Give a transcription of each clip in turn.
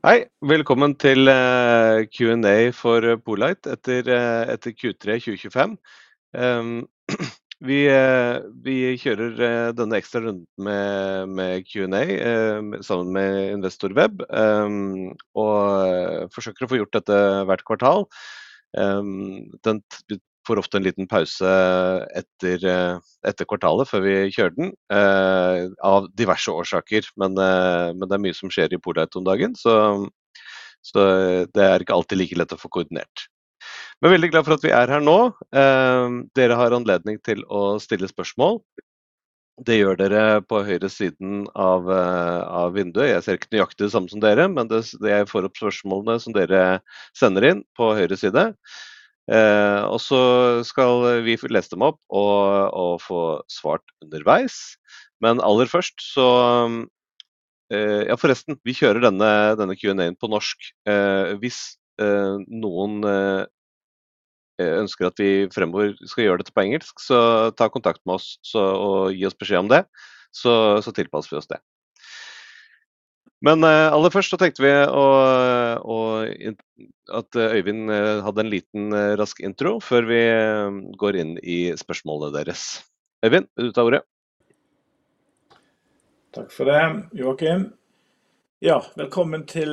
Hei, velkommen til Q&A for PoLight etter Q3 2025. Vi kjører denne ekstra runden med Q&A sammen med Investorweb, og forsøker å få gjort dette hvert kvartal. Den får ofte en liten pause etter kvartalet før vi kjører den, av diverse årsaker, men det skjer mye i PoLight om dagen, så det er ikke alltid like lett å få koordinert. Men veldig glad for at vi er her nå. Dere har anledning til å stille spørsmål. Det gjør dere på høyre siden av vinduet. Jeg ser ikke nøyaktig det samme som dere, men jeg får opp spørsmålene som dere sender inn på høyre side, og så skal vi lese dem opp og få svart underveis. Men aller først, forresten, vi kjører denne Q&A-en på norsk. Hvis noen ønsker at vi fremover skal gjøre dette på engelsk, så ta kontakt med oss og gi oss beskjed om det, så tilpasser vi oss det. Men aller først så tenkte vi at Øyvind hadde en liten rask intro før vi går inn i spørsmålene deres. Øyvind, du tar ordet. Takk for det, Joakim. Ja, velkommen til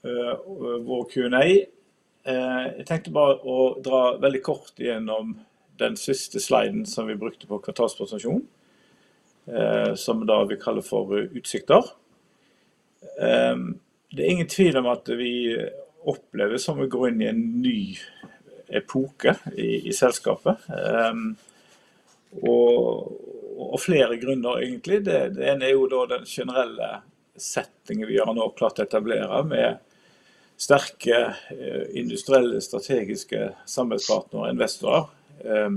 vår Q&A. Jeg tenkte bare å dra veldig kort gjennom den siste sliden som vi brukte på kvartalspresentasjonen, som da vi kaller for utsikter. Det er ingen tvil om at vi opplever å gå inn i en ny epoke i selskapet, og det av flere grunner egentlig. Det ene er jo da den generelle settingen vi har nå klart å etablere med sterke industrielle, strategiske samarbeidspartnere og investorer.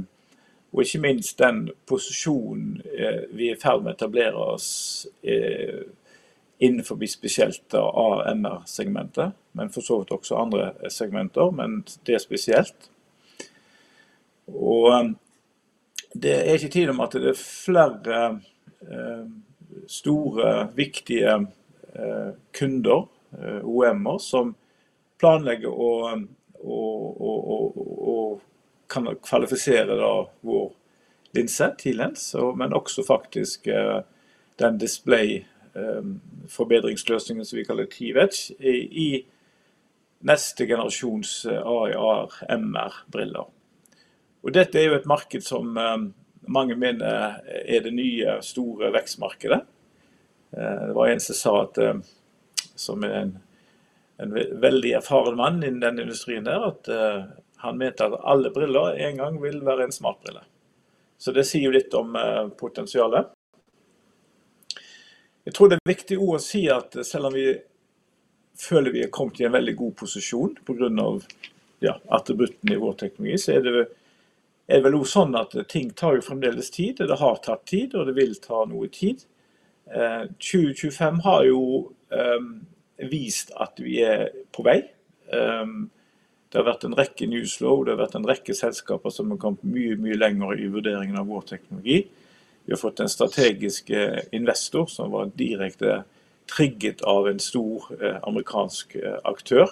Og ikke minst den posisjonen vi er i ferd med å etablere oss innenfor spesielt AMR-segmentet, men for så vidt også andre segmenter, men det spesielt. Det er ingen tvil om at det er flere store, viktige kunder, OEM-er, som planlegger å kvalifisere da vår linse til bruk, men også faktisk den display-forbedringsløsningen som vi kaller T-VETCH i neste generasjons AR/MR-briller. Dette er jo et marked som mange mener er det nye store vekstmarkedet. Det var en som sa at, som en veldig erfaren mann innen den industrien der, at han mente at alle briller en gang vil være en smartbrille. Så det sier jo litt om potensialet. Jeg tror det er viktig å si at selv om vi føler vi har kommet i en veldig god posisjon på grunn av, ja, attributtene i vår teknologi, så er det vel også sånn at ting tar jo fremdeles tid, det har tatt tid, og det vil ta noe tid. 2025 har jo vist at vi er på vei. Det har vært en rekke newsflow, det har vært en rekke selskaper som har kommet mye, mye lenger i vurderingen av vår teknologi. Vi har fått en strategisk investor som var direkte trigget av en stor amerikansk aktør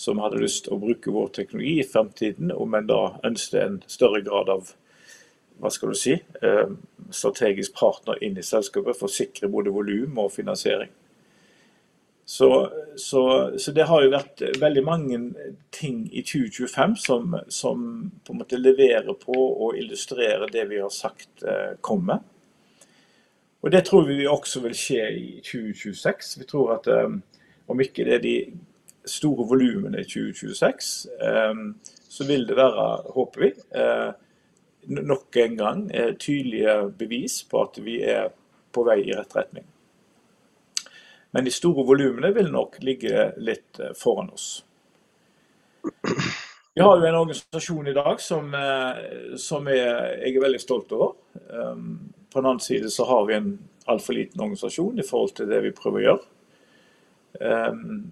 som hadde lyst til å bruke vår teknologi i fremtiden, men da ønsket en større grad av strategisk partner inn i selskapet for å sikre både volum og finansiering. Det har jo vært veldig mange ting i 2025 som på en måte leverer på og illustrerer det vi har sagt skulle komme. Det tror vi også vil skje i 2026. Vi tror at om ikke de store volumene i 2026, så vil det være, håper vi, nok en gang tydelige bevis på at vi er på vei i rett retning. Men de store volumene vil nok ligge litt foran oss. Vi har jo en organisasjon i dag som jeg er veldig stolt over. På en annen side så har vi en altfor liten organisasjon i forhold til det vi prøver å gjøre.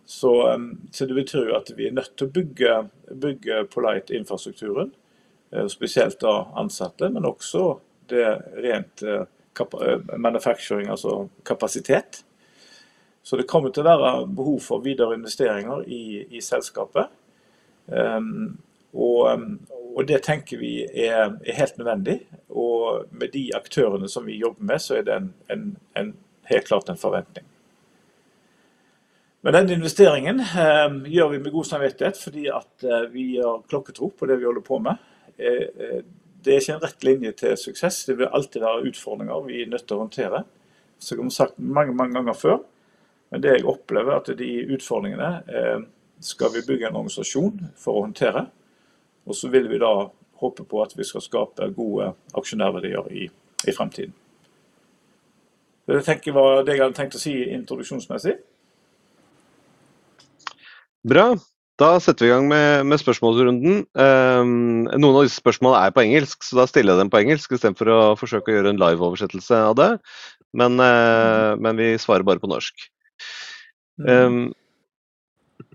Så det betyr jo at vi er nødt til å bygge på Light-infrastrukturen, spesielt da ansatte, men også det rent manufacturing, altså kapasitet. Så det kommer til å være behov for videre investeringer i selskapet. Og det tenker vi er helt nødvendig. Og med de aktørene som vi jobber med, så er det en helt klart forventning. Men den investeringen gjør vi med god samvittighet, fordi vi har klokketro på det vi holder på med. Det er ikke en rett linje til suksess. Det vil alltid være utfordringer vi er nødt til å håndtere. Så det har vi sagt mange, mange ganger før. Men det jeg opplever er at de utfordringene, skal vi bygge en organisasjon for å håndtere. Og så vil vi da håpe på at vi skal skape gode aksjonærverdier i fremtiden. Det tenker jeg var det jeg hadde tenkt å si introduksjonsmessig. Bra. Da setter vi i gang med spørsmålsrunden. Noen av disse spørsmålene på engelsk, så da stiller jeg dem på engelsk i stedet for å forsøke å gjøre en live-oversettelse av det. Men vi svarer bare på norsk.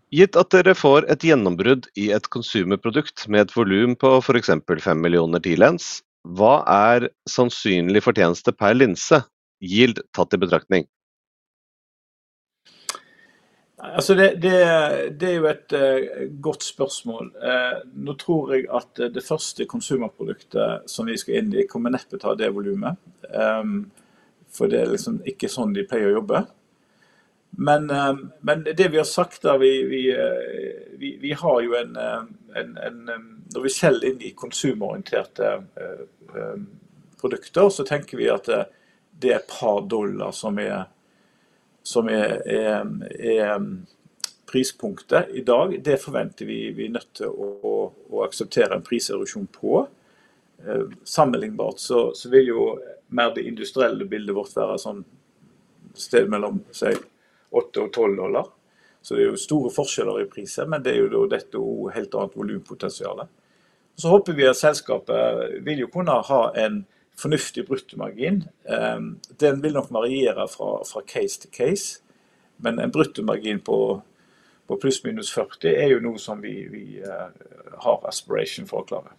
Gitt at dere får et gjennombrudd i et konsumerprodukt med et volum på for eksempel 5 millioner til ens, hva sannsynlig fortjeneste per linse, yield tatt i betraktning? Nei, altså, det er jo et godt spørsmål. Nå tror jeg at det første konsumerproduktet som vi skal inn i, kommer neppe til å ha det volumet. For det er liksom ikke sånn de pleier å jobbe. Men det vi har sagt da, vi har jo en når vi selger inn i konsumorienterte produkter, så tenker vi at det er et par dollar som prispunktet i dag. Det forventer vi at vi er nødt til å akseptere en prisreduksjon på. Sammenlignbart så vil jo mer det industrielle bildet vårt være sånn sted mellom 8 og $12. Så det er jo store forskjeller i priser, men det er jo da dette og helt annet volumpotensiale. Og så håper vi at selskapet vil jo kunne ha en fornuftig bruttomargin. Den vil nok variere fra case til case, men en bruttomargin på pluss minus 40% er noe som vi har aspiration for å klare.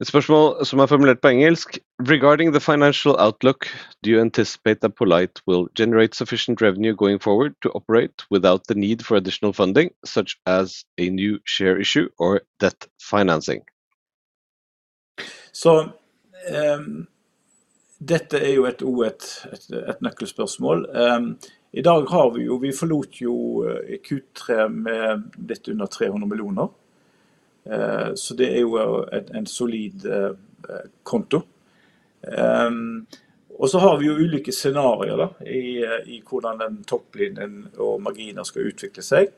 Et spørsmål som formulert på engelsk. Regarding the financial outlook, do you anticipate that PoLight will generate sufficient revenue going forward to operate without the need for additional funding, such as a new share issue or debt financing? Så dette er jo et nøkkelspørsmål. I dag har vi jo, vi forlot jo Q3 med litt under 300 millioner. Så det er jo en solid konto. Og så har vi jo ulike scenarier da i hvordan den topplinjen og marginer skal utvikle seg.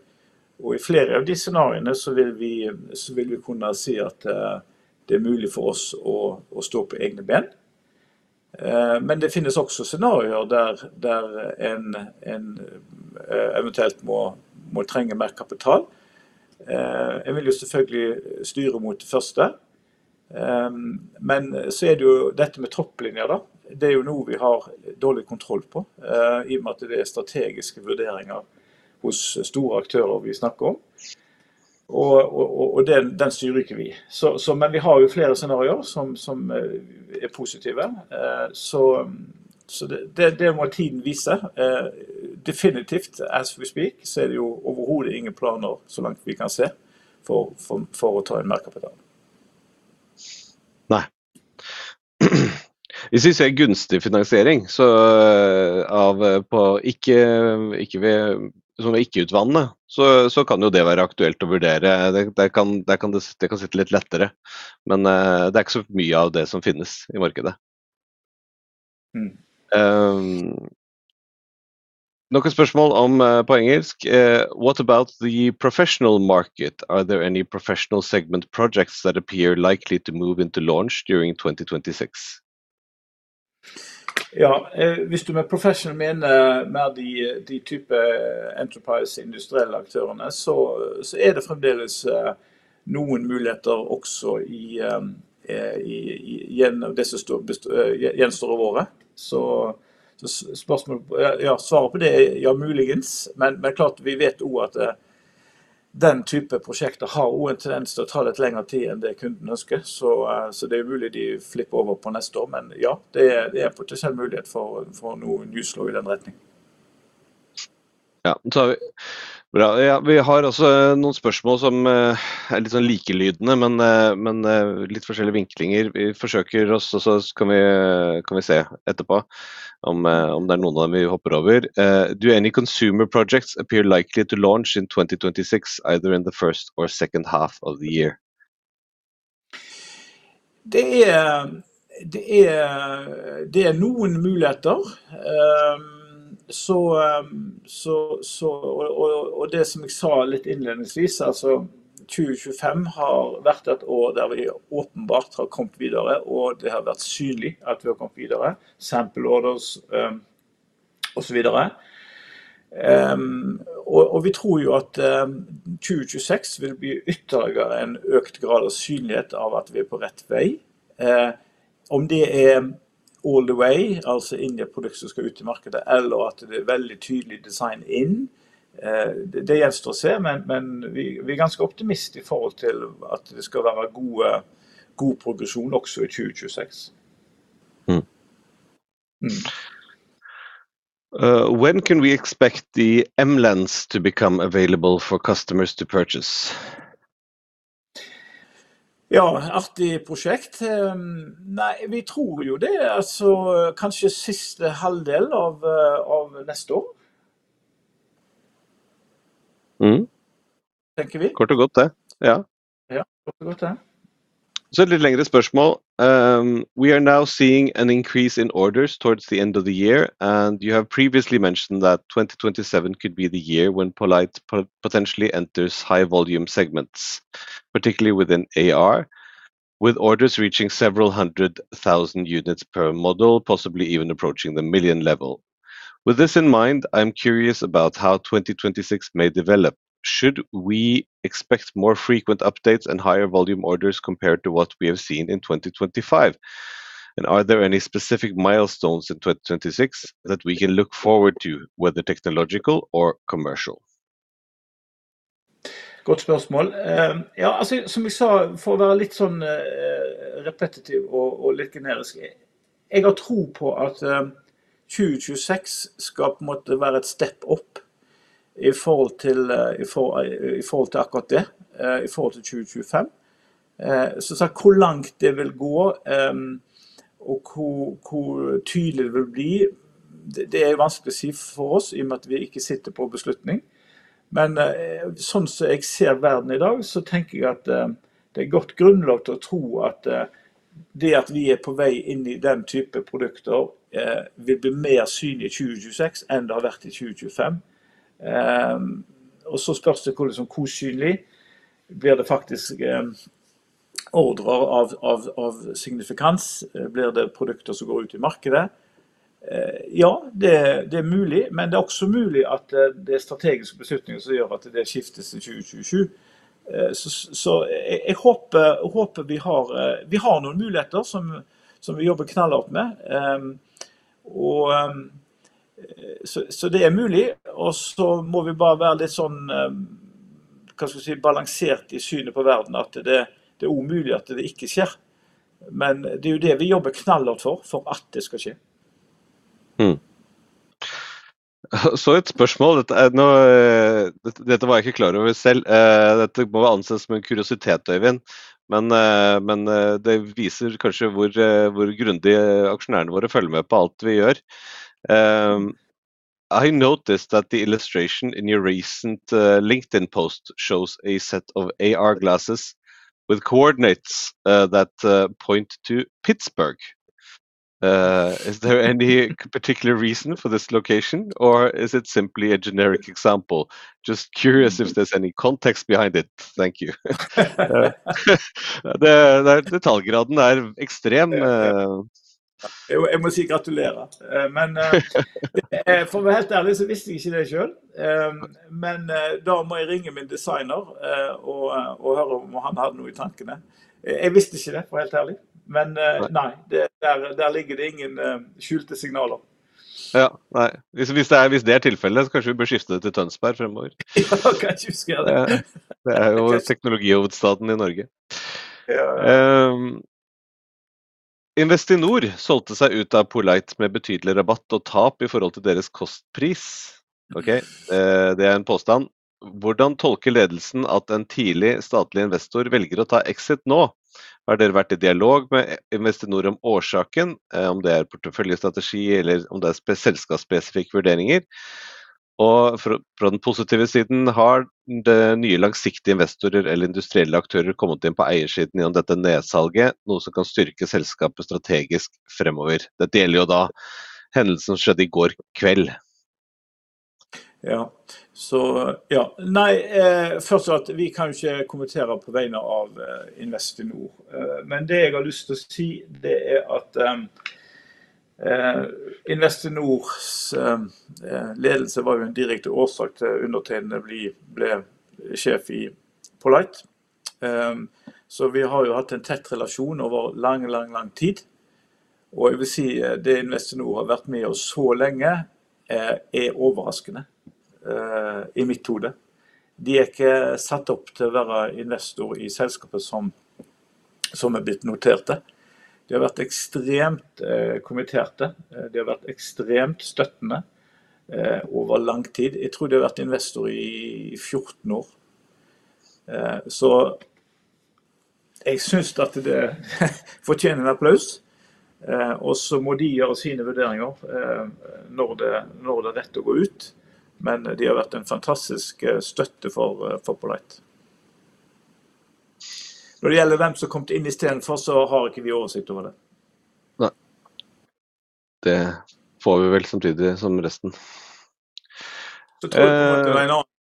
Og i flere av de scenariene så vil vi kunne si at det er mulig for oss å stå på egne ben. Men det finnes også scenarier der en eventuelt må trenge mer kapital. Jeg vil jo selvfølgelig styre mot det første. Men så er det jo dette med topplinjer da. Det er jo noe vi har dårlig kontroll på, i og med at det er strategiske vurderinger hos store aktører vi snakker om. Og den styrer ikke vi. Men vi har jo flere scenarier som er positive. Så det må tiden vise. Definitivt, as we speak, så det er jo overhodet ingen planer, så langt vi kan se, for å ta inn mer kapital. Nei. Hvis vi ser gunstig finansiering, så av på ikke ved sånn ved ikke-utvannet, så kan jo det være aktuelt å vurdere. Det kan sitte litt lettere. Men det ikke så mye av det som finnes i markedet. Noen spørsmål på engelsk. What about the professional market? Are there any professional segment projects that appear likely to move into launch during 2026? Ja, hvis du med profesjonell mener mer de type enterprise industrielle aktørene, så er det fremdeles noen muligheter også gjennom det som står igjen av året. Så spørsmålet, ja, svaret på det er ja, muligens. Men klart, vi vet også at den type prosjekter har også en tendens til å ta litt lengre tid enn det kunden ønsker. Så det er jo mulig de flipper over på neste år. Men ja, det er potensielt mulighet for noen newsflow i den retningen. Ja, så bra. Ja, vi har også noen spørsmål som litt sånn likelydende, men litt forskjellige vinklinger. Vi forsøker oss, og så kan vi se etterpå om det noen av dem vi hopper over. Do any consumer projects appear likely to launch in 2026, either in the first or second half of the year? Det er noen muligheter. Så det som jeg sa litt innledningsvis, altså 2025 har vært et år der vi åpenbart har kommet videre, og det har vært synlig at vi har kommet videre. Sample orders, og så videre. Vi tror jo at 2026 vil bli ytterligere en økt grad av synlighet av at vi er på rett vei. Om det går all the way, altså inn i et produkt som skal ut i markedet, eller at det blir veldig tydelig design inn, det gjenstår å se, men vi er ganske optimistiske i forhold til at det skal være god progresjon også i 2026. When can we expect the M-lens to become available for customers to purchase? Ja, artig prosjekt. Nei, vi tror jo det altså kanskje siste halvdel av neste år. Tenker vi. Kort og godt, det. Ja. Ja, kort og godt, det. So a slightly longer question. We are now seeing an increase in orders towards the end of the year, and you have previously mentioned that 2027 could be the year when PoLight potentially enters high-volume segments, particularly within AR, with orders reaching several hundred thousand units per model, possibly even approaching the million level. With this in mind, I'm curious about how 2026 may develop. Should we expect more frequent updates and higher volume orders compared to what we have seen in 2025? And are there any specific milestones in 2026 that we can look forward to, whether technological or commercial? Godt spørsmål. Ja, som jeg sa, for å være litt repetitiv og litt generisk, jeg har tro på at 2026 skal på en måte være et step opp i forhold til 2025. Så sagt hvor langt det vil gå, og hvor tydelig det vil bli, det er jo vanskelig å si for oss, i og med at vi ikke sitter på beslutning. Men sånn som jeg ser verden i dag, så tenker jeg at det er et godt grunnlag til å tro at vi på vei inn i den type produkter, vil bli mer synlig i 2026 enn det har vært i 2025. Og så spørs det hvordan synlig blir det faktisk ordrer av signifikans, blir det produkter som går ut i markedet. Ja, det er mulig, men det er også mulig at det er strategiske beslutninger som gjør at det skiftes i 2027. Så jeg håper vi har noen muligheter som vi jobber knallhardt med. Og så er det mulig, og så må vi bare være litt balansert i synet på verden, at det er umulig at det ikke skjer. Men det er jo det vi jobber knallhardt for, for at det skal skje. Så et spørsmål, dette nå, dette var jeg ikke klar over selv, dette må anses som en kuriositet, Øyvind, men det viser kanskje hvor grundig aksjonærene våre følger med på alt vi gjør. I noticed that the illustration in your recent LinkedIn post shows a set of AR glasses with coordinates that point to Pittsburgh. Is there any particular reason for this location, or is it simply a generic example? Just curious if there's any context behind it. Thank you. Detaljgraden er ekstrem. Jeg må si gratulere. Men for å være helt ærlig, så visste jeg ikke det selv. Men da må jeg ringe min designer og høre om han hadde noe i tankene. Jeg visste ikke det, for å være helt ærlig. Men nei, det der ligger det ingen skjulte signaler. Ja, nei. Hvis det er tilfellet, så kanskje vi bør skifte det til Tønsberg fremover. Ja, kanskje vi skal gjøre det. Det er jo teknologi-hovedstaden i Norge. Investinor solgte seg ut av PoLight med betydelig rabatt og tap i forhold til deres kostpris. Det er en påstand. Hvordan tolker ledelsen at en tidlig statlig investor velger å ta exit nå? Har dere vært i dialog med Investinor om årsaken, om det er porteføljestrategi eller om det er selskapsspesifikke vurderinger? Fra den positive siden, har det nye langsiktige investorer eller industrielle aktører kommet inn på eiersiden i dette nedsalget, noe som kan styrke selskapet strategisk fremover? Dette gjelder jo da hendelsen som skjedde i går kveld. Ja, så ja. Nei, først og fremst, vi kan jo ikke kommentere på vegne av Investinor. Men det jeg har lyst til å si, det at Investinors ledelse var jo en direkte årsak til at undertegnede ble sjef i PoLight. Så vi har jo hatt en tett relasjon over lang, lang, lang tid. Og jeg vil si det Investinor har vært med oss så lenge, overraskende, i mitt hode. De ikke satt opp til å være investor i selskapet som som blitt noterte. De har vært ekstremt kommenterte. De har vært ekstremt støttende, over lang tid. Jeg tror de har vært investor i 14 år. Så jeg synes at det fortjener en applaus. Og så må de gjøre sine vurderinger, når det når det rett å gå ut. Men de har vært en fantastisk støtte for PoLight. Når det gjelder hvem som kom inn i stedet for, så har ikke vi oversikt over det. Nei. Det får vi vel samtidig som resten. Så tror jeg det må være en annen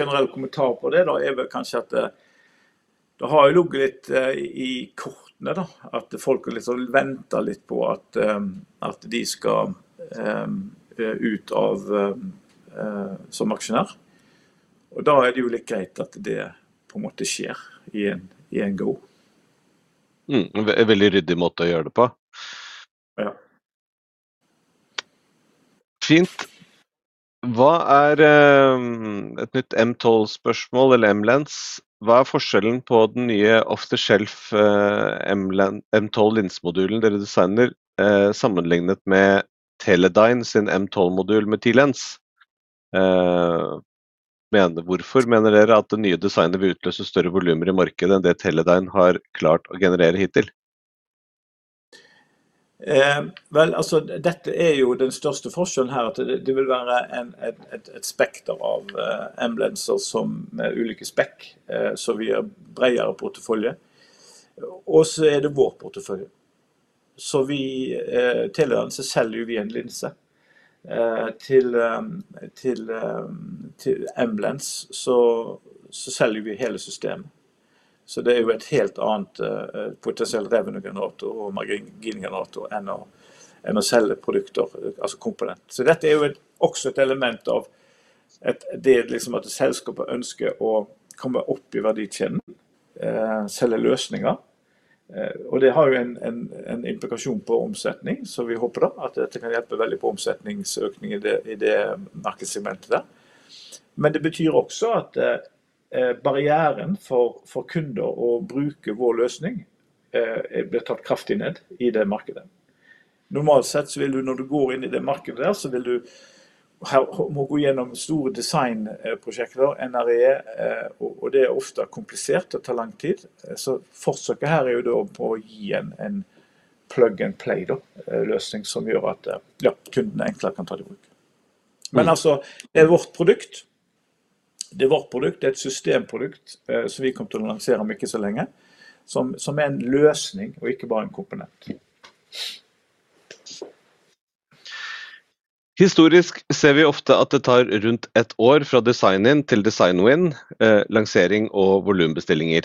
generell kommentar på det, da. Vel, kanskje at det har jo ligget litt i kortene, da, at folk har liksom ventet litt på at de skal ut av som aksjonær. Og da er det jo litt greit at det på en måte skjer i en go. En veldig ryddig måte å gjøre det på. Ja. Fint. Hva er nytt M12-spørsmål, eller M-lens? Hva er forskjellen på den nye off-the-shelf M12-linsmodulen dere designer, sammenlignet med Teledyne sin M12-modul med T-lens? Hvorfor mener dere at det nye designet vil utløse større volymer i markedet enn det Teledyne har klart å generere hittil? Vel, altså, dette er jo den største forskjellen her, at det vil være et spekter av M-lenser med ulike spekk, så vi har bredere portefølje. Og så det er vår portefølje. Så vi, Teledyne, selger jo vi en linse. Til M-lens så selger jo vi hele systemet. Så det er jo et helt annet potensielt revenue-generator og margin-generator enn å selge produkter, altså komponenter. Så dette er jo også et element av at selskapet ønsker å komme opp i verdikjeden, selge løsninger. Og det har jo en implikasjon på omsetning, så vi håper da at dette kan hjelpe veldig på omsetningsøkning i det markedssegmentet der. Men det betyr også at barrieren for kunder å bruke vår løsning blir tatt kraftig ned i det markedet. Normalt sett så vil du, når du går inn i det markedet der, så vil du her må gå gjennom store designprosjekter, NRE, og det ofte komplisert og tar lang tid. Så forsøket her jo da å gi en plug-and-play-løsning som gjør at kundene enklere kan ta det i bruk. Men altså, det vårt produkt. Det vårt produkt, det et systemprodukt som vi kommer til å lansere om ikke så lenge, som en løsning og ikke bare en komponent. Historisk ser vi ofte at det tar rundt et år fra design inn til design win, lansering og volumbestillinger.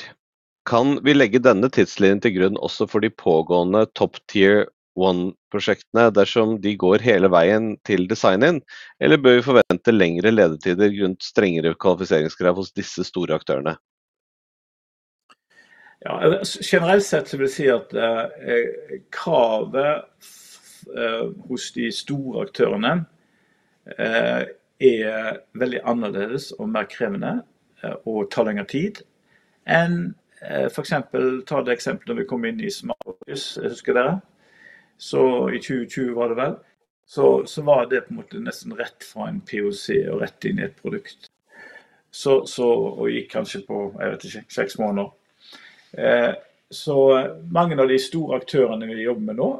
Kan vi legge denne tidslinjen til grunn også for de pågående top-tier-one-prosjektene, dersom de går hele veien til design inn, eller bør vi forvente lengre ledetider grunnet strengere kvalifiseringskrav hos disse store aktørene? Ja, generelt sett så vil jeg si at kravet hos de store aktørene er veldig annerledes og mer krevende og tar lenger tid enn, for eksempel, ta det eksempelet når vi kom inn i Smartis, jeg husker det. I 2020 var det vel, så var det på en måte nesten rett fra en PoC og rett inn i et produkt. Det gikk kanskje på, jeg vet ikke, seks måneder. Mange av de store aktørene vi jobber med nå,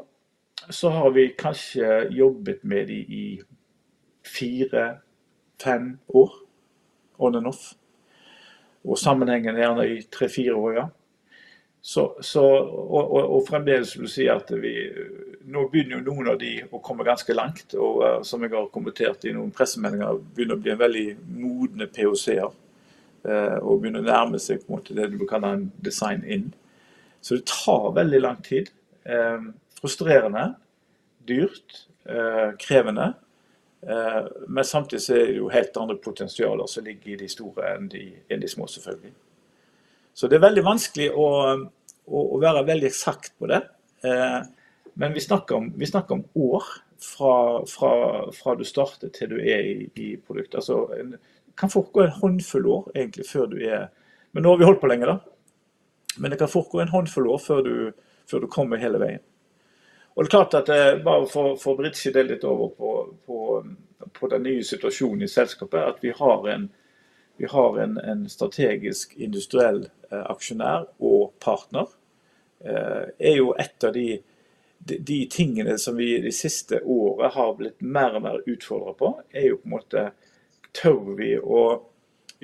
så har vi kanskje jobbet med dem i fire, fem år, on and off. Og sammenhengende gjerne i tre, fire år, ja. Så og fremdeles vil du si at vi, nå begynner jo noen av dem å komme ganske langt, og som jeg har kommentert i noen pressemeldinger, begynner å bli en veldig modne PoC-er, og begynner å nærme seg på en måte det du vil kalle en design inn. Så det tar veldig lang tid, frustrerende, dyrt, krevende, men samtidig så det jo helt andre potensialer som ligger i de store enn de små, selvfølgelig. Så det veldig vanskelig å være veldig eksakt på det. Men vi snakker om år fra du starter til du i produkt. Altså, det kan foregå en håndfull år egentlig før du, men nå har vi holdt på lenge da. Men det kan foregå en håndfull år før du kommer hele veien. Og det er klart at det, bare for å bryte seg det litt over på den nye situasjonen i selskapet, at vi har en strategisk industriell aksjonær og partner. Jo, et av de tingene som vi de siste årene har blitt mer og mer utfordret på, jo på en måte, tør vi å,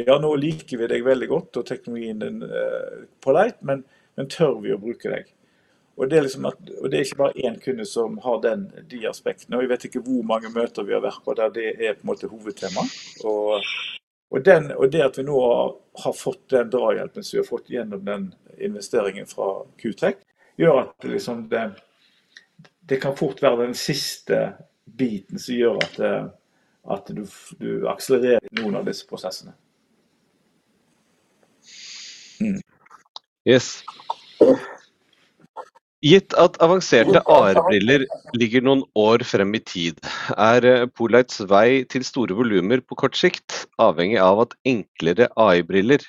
ja, nå liker vi deg veldig godt og teknologien din, PoLight, men tør vi å bruke deg? Og det er ikke bare en kunde som har de aspektene, og vi vet ikke hvor mange møter vi har vært på der det på en måte er hovedtemaet. Og den, og det at vi nå har fått den drahjelpen som vi har fått gjennom den investeringen fra QTEK, gjør at det kan fort være den siste biten som gjør at du akselererer noen av disse prosessene. Ja. Gitt at avanserte AR-briller ligger noen år frem i tid, er PoLight's vei til store volumer på kort sikt avhengig av at enklere AI-briller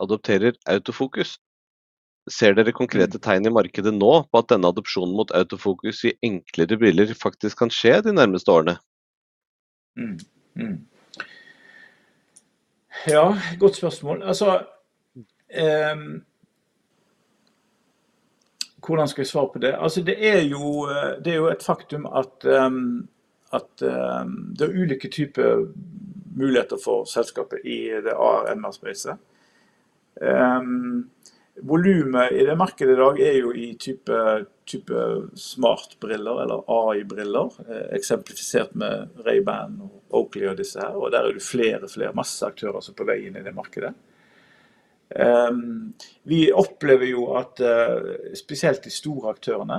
adopterer autofokus? Ser dere konkrete tegn i markedet nå på at denne adopsjonen mot autofokus i enklere briller faktisk kan skje de nærmeste årene? Ja, godt spørsmål. Hvordan skal jeg svare på det? Det er jo et faktum at det er ulike typer muligheter for selskapet i det AR- og MR-spacet. Volumet i det markedet i dag er jo type smartbriller eller AI-briller, eksemplifisert med Ray-Ban og Oakley og disse her, og der er det jo flere, masse aktører som er på vei inn i det markedet. Vi opplever jo at, spesielt de store aktørene,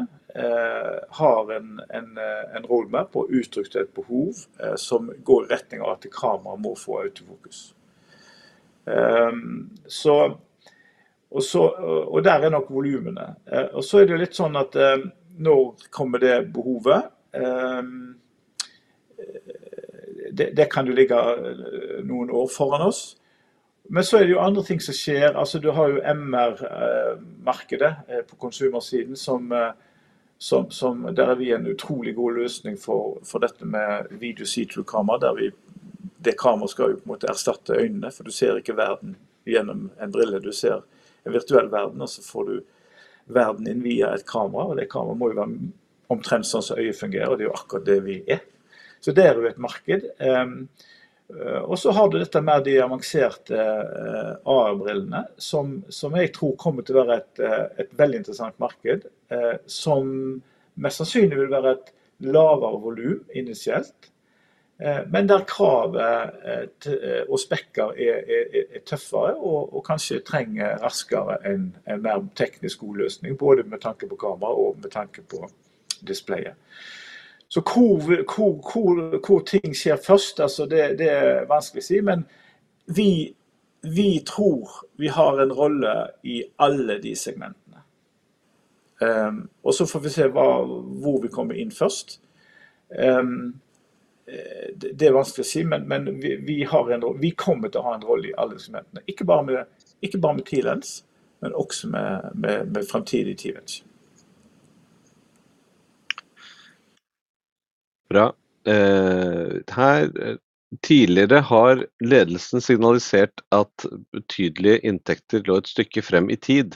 har en rollemap og uttrykk til et behov som går i retning av at kamera må få autofokus. Så der er nok volumene. Det er jo litt sånn at når kommer det behovet? Det kan jo ligge noen år foran oss. Men så det jo andre ting som skjer, altså du har jo MR-markedet på konsumersiden som der vi en utrolig god løsning for dette med video-situasjonskamera der vi, det kamera skal jo på en måte erstatte øynene, for du ser ikke verden gjennom en brille, du ser en virtuell verden, og så får du verden inn via et kamera, og det kamera må jo være omtrent sånn som øyet fungerer, og det jo akkurat det vi. Så det jo et marked. Og så har du dette med de avanserte AR-brillene som jeg tror kommer til å være et veldig interessant marked, som mest sannsynlig vil være et lavere volum initialt, men der kravet til spekker er tøffere og kanskje trenger raskere enn mer teknisk god løsning, både med tanke på kamera og med tanke på displayet. Så hvor ting skjer først, altså det er vanskelig å si, men vi tror vi har en rolle i alle de segmentene. Og så får vi se hva, hvor vi kommer inn først. Det er vanskelig å si, men vi har en, vi kommer til å ha en rolle i alle segmentene, ikke bare med T-lens, men også med fremtidig T-lens. Bra. Her, tidligere har ledelsen signalisert at betydelige inntekter lå et stykke frem i tid.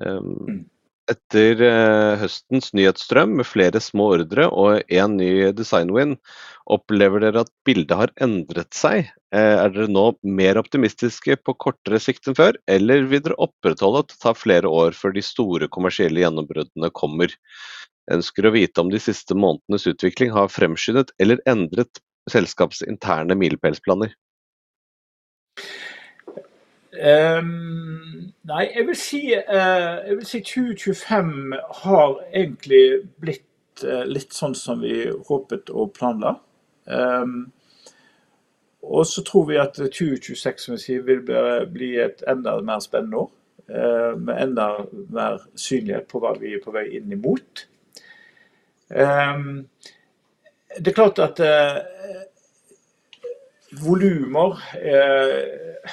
Ehm, etter høstens nyhetsstrøm med flere små ordre og en ny design win, opplever dere at bildet har endret seg? Er dere nå mer optimistiske på kortere sikt enn før, eller vil dere opprettholde at det tar flere år før de store kommersielle gjennombruddene kommer? Ønsker å vite om de siste månedenes utvikling har fremskyndet eller endret selskapets interne milepælsplaner? Nei, jeg vil si 2025 har egentlig blitt litt sånn som vi håpet og planla. Og så tror vi at 2026 vil bli et enda mer spennende år, med enda mer synlighet på hva vi er på vei inn imot. Det er klart at volumer,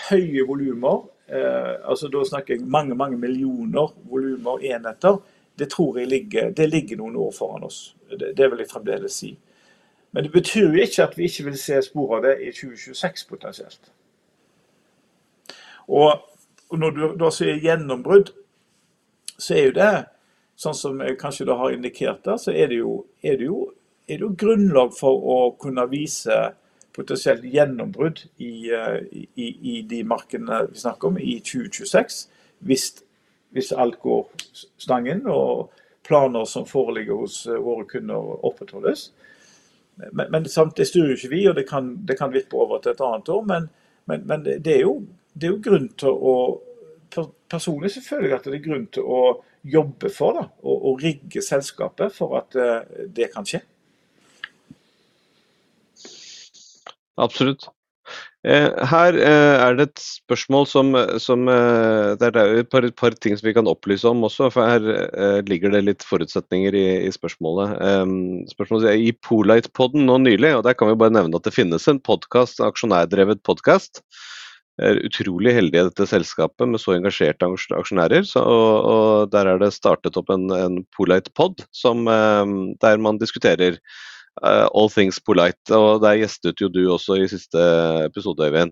høye volumer, altså da snakker jeg mange, mange millioner volumer og enheter, det tror jeg ligger noen år foran oss. Det vil jeg fremdeles si. Men det betyr jo ikke at vi ikke vil se spor av det i 2026 potensielt. Og når du da sier gjennombrudd, så jo, sånn som jeg kanskje da har indikert det, så er det jo grunnlag for å kunne vise potensielt gjennombrudd i de markedene vi snakker om i 2026, hvis alt går etter planen og planer som foreligger hos våre kunder opprettholdes. Men sant, det styrer jo ikke vi, og det kan vippe over til et annet år, men det er jo grunn til å, personlig selvfølgelig, at det er grunn til å jobbe for da, og rigge selskapet for at det kan skje. Absolutt. Her er det et spørsmål som der det jo er et par ting som vi kan opplyse om også, for her ligger det litt forutsetninger i spørsmålet. Spørsmålet i PoLight-podden nå nylig, og der kan vi bare nevne at det finnes en podcast, aksjonærdrevet podcast. Vi er utrolig heldige i dette selskapet med så engasjerte aksjonærer, og der det startet opp en PoLight-podd som der man diskuterer all things PoLight, og der gjestet jo du også i siste episode, Øyvind.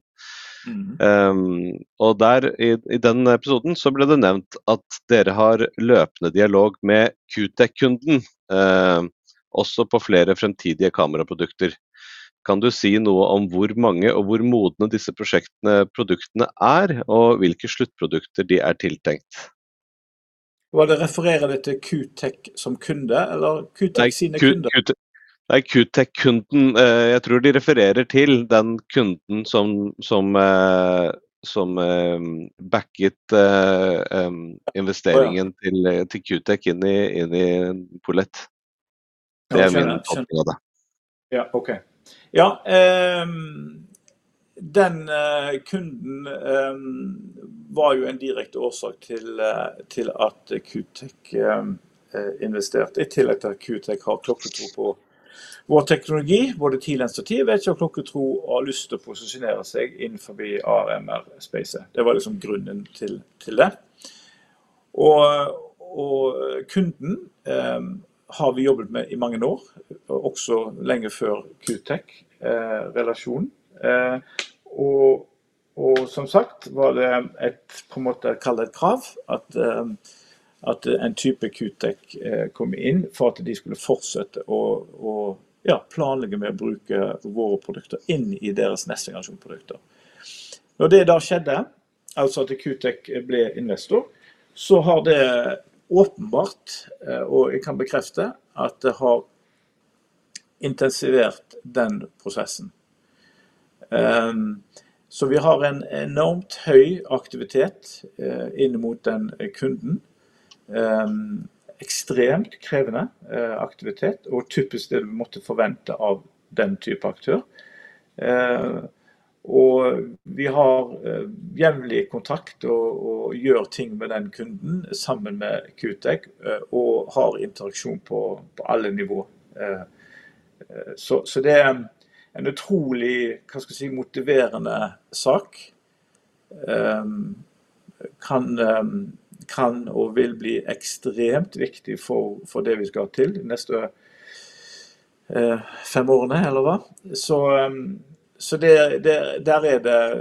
Og der i den episoden så ble det nevnt at dere har løpende dialog med QTEK-kunden, også på flere fremtidige kameraprodukter. Kan du si noe om hvor mange og hvor modne disse prosjektene, produktene er og hvilke sluttprodukter de er tiltenkt? Var det refererer det til QTEK som kunde, eller QTEK sine kunder? Nei, QTEK-kunden, jeg tror de refererer til den kunden som backet investeringen til QTEK inn i PoLight. Det min oppgave. Ja, ok. Ja, ehm, kunden var jo en direkte årsak til at QTEK investerte, i tillegg til at QTEK har klokketro på vår teknologi. QTEK har lyst til å posisjonere seg inn i AR/MR-spacet. Det var liksom grunnen til det. Kunden har vi jobbet med i mange år, også lenge før QTEK-relasjonen, og som sagt var det et krav at en type QTEK kom inn for at de skulle fortsette å planlegge med å bruke våre produkter inn i deres neste generasjon produkter. Når det da skjedde, altså at QTEK ble investor, så har det åpenbart, og jeg kan bekrefte at det har intensivert den prosessen. Vi har en enormt høy aktivitet inn mot den kunden, ekstremt krevende aktivitet, og typisk det du måtte forvente av den type aktør. Vi har jevnlig kontakt og gjør ting med den kunden sammen med QTEK, og har interaksjon på alle nivå. Det er en utrolig motiverende sak. Den kan og vil bli ekstremt viktig for det vi skal til de neste fem årene. Det er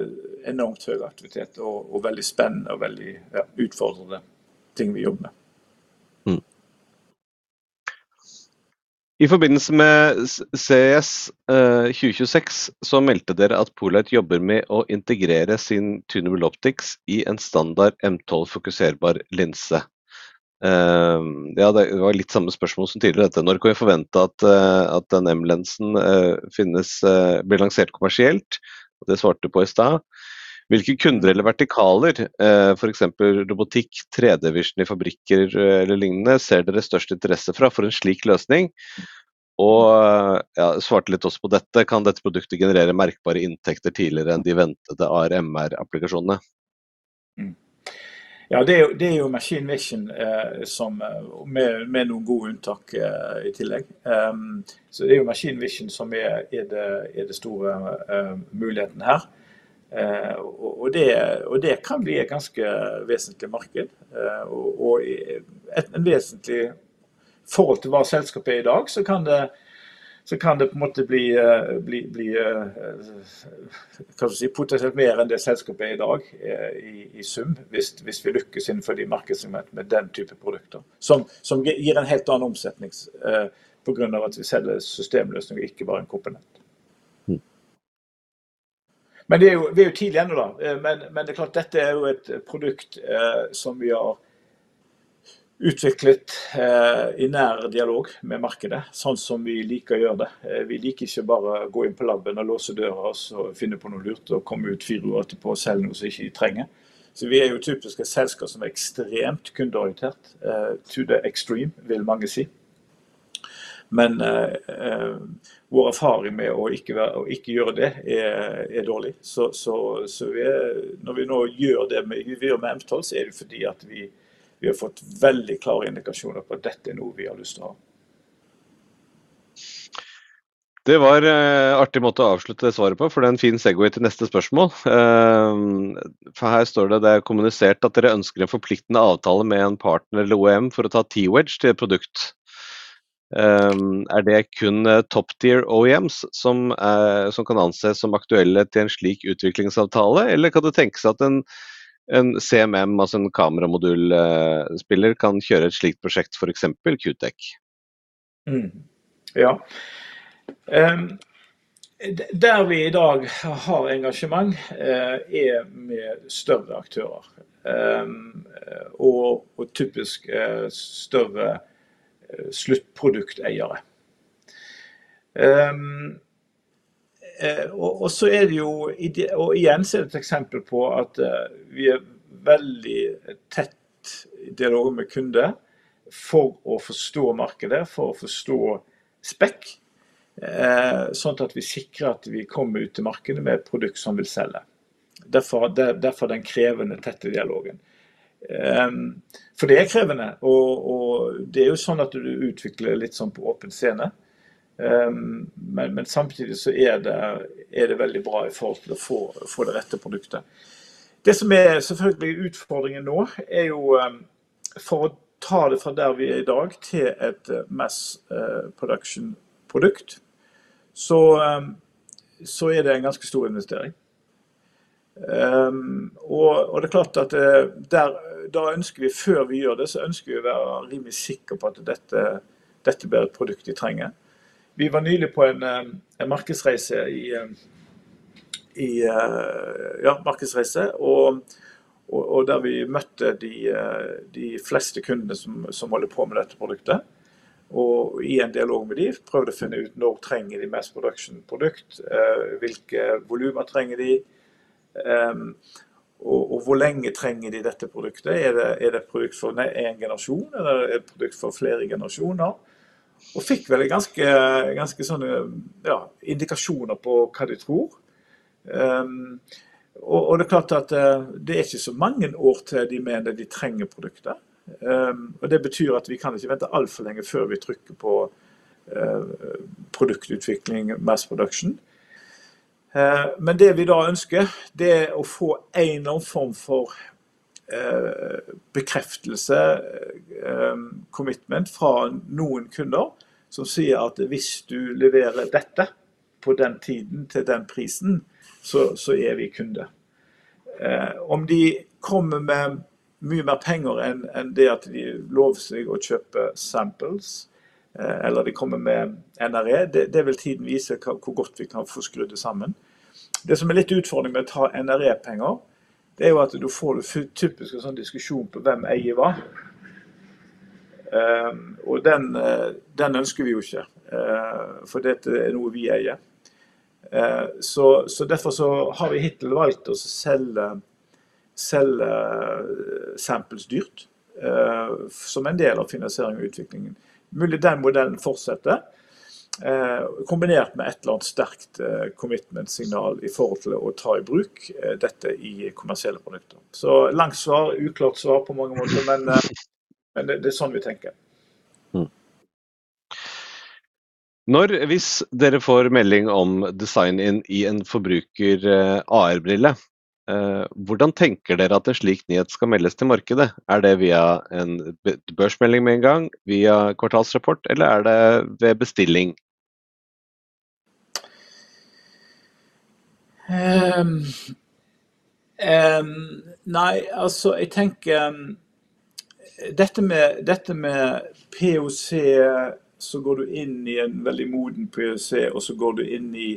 enormt høy aktivitet og veldig spennende og veldig utfordrende ting vi jobber med. I forbindelse med CES 2026 så meldte dere at PoLight jobber med å integrere sin Tunable Optics i en standard M12-fokuserbar linse. Det var litt samme spørsmål som tidligere, dette. Når kan vi forvente at den M-linsen finnes, blir lansert kommersielt? Det svarte du på i sted. Hvilke kunder eller vertikaler, for eksempel robotikk, 3D-visjon i fabrikker eller lignende, ser dere størst interesse fra for en slik løsning? Ja, svarte litt også på dette. Kan dette produktet generere merkbare inntekter tidligere enn de ventede AR/MR-applikasjonene? Ja, det er jo Machine Vision, som, med noen gode unntak i tillegg. Så det er jo Machine Vision som det store muligheten her, og det kan bli et ganske vesentlig marked og i et vesentlig forhold til hva selskapet er i dag, så kan det på en måte bli potensielt mer enn det selskapet er i dag i sum, hvis vi lykkes innenfor de markedssegmentene med den type produkter som gir en helt annen omsetning, på grunn av at vi selger systemløsning og ikke bare en komponent. Men det er jo tidlig ennå da, men det er klart dette er jo et produkt som vi har utviklet i nær dialog med markedet, sånn som vi liker å gjøre det. Vi liker ikke bare å gå inn på labben og låse døra og så finne på noe lurt og komme ut fire uker etterpå og selge noe som ikke vi trenger. Vi er jo typisk et selskap som er ekstremt kundeorientert, to the extreme, vil mange si. Men vår erfaring med å ikke være, å ikke gjøre det dårlig. Når vi nå gjør det med M12, så er det jo fordi vi har fått veldig klare indikasjoner på at dette er noe vi har lyst til å ha. Det var en artig måte å avslutte svaret på, for det er en fin overgang til neste spørsmål. For her står det kommunisert at dere ønsker en forpliktende avtale med en partner eller OEM for å ta T-wedge til et produkt. Er det kun top-tier OEMs som kan anses som aktuelle til en slik utviklingsavtale, eller kan det tenkes at en CMM, altså en kameramodulspiller, kan kjøre et slikt prosjekt, for eksempel QTEK? Ja. Der vi i dag har engasjement med større aktører og typisk større sluttprodukteiere. Så det jo, og igjen så det et eksempel på at vi veldig tett i dialog med kunder for å forstå markedet, for å forstå spekk, sånn at vi sikrer at vi kommer ut til markedet med et produkt som vi selger. Derfor den krevende, tette dialogen. For det krevende, og det jo sånn at du utvikler litt sånn på åpen scene. Men samtidig så det veldig bra i forhold til å få det rette produktet. Det som selvfølgelig utfordringen nå, jo, for å ta det fra der vi i dag til et mass production-produkt, så det en ganske stor investering. Og det er klart at der, da ønsker vi, før vi gjør det, så ønsker vi å være rimelig sikker på at dette blir et produkt de trenger. Vi var nylig på en markedsreise i, ja, markedsreise, og der vi møtte de fleste kundene som holder på med dette produktet, og i en dialog med dem, prøvde å finne ut når trenger de mass production-produkt, hvilke volumer trenger de, og hvor lenge trenger de dette produktet, det et produkt for en generasjon, eller det et produkt for flere generasjoner, og fikk vel ganske sånn, ja, indikasjoner på hva de tror. Og det er klart at det ikke så mange år til de mener de trenger produktet, og det betyr at vi kan ikke vente alt for lenge før vi trykker på produktutvikling, mass production. Men det vi da ønsker, det å få en eller annen form for bekreftelse, commitment fra noen kunder som sier at hvis du leverer dette på den tiden til den prisen, så vi kunde. Om de kommer med mye mer penger enn det at de lover seg å kjøpe samples, eller de kommer med NRE, det vil tiden vise hvor godt vi kan få skrudd det sammen. Det som litt utfordring med å ta NRE-penger, det jo at du får det typisk en sånn diskusjon på hvem eier hva, og den ønsker vi jo ikke, for dette noe vi eier. Så derfor så har vi hittil valgt å selge samples dyrt, som en del av finansiering og utviklingen. Mulig den modellen fortsetter, kombinert med et eller annet sterkt commitment-signal i forhold til å ta i bruk dette i kommersielle produkter. Så langt svar, uklart svar på mange måter, men det sånn vi tenker. Når, hvis dere får melding om design inn i en forbruker-AR-brille, hvordan tenker dere at en slik nyhet skal meldes til markedet? Er det via en børsmelding med en gang, via kvartalsrapport, eller er det ved bestilling? Nei, altså, jeg tenker, dette med POC, så går du inn i en veldig moden POC, og så går du inn i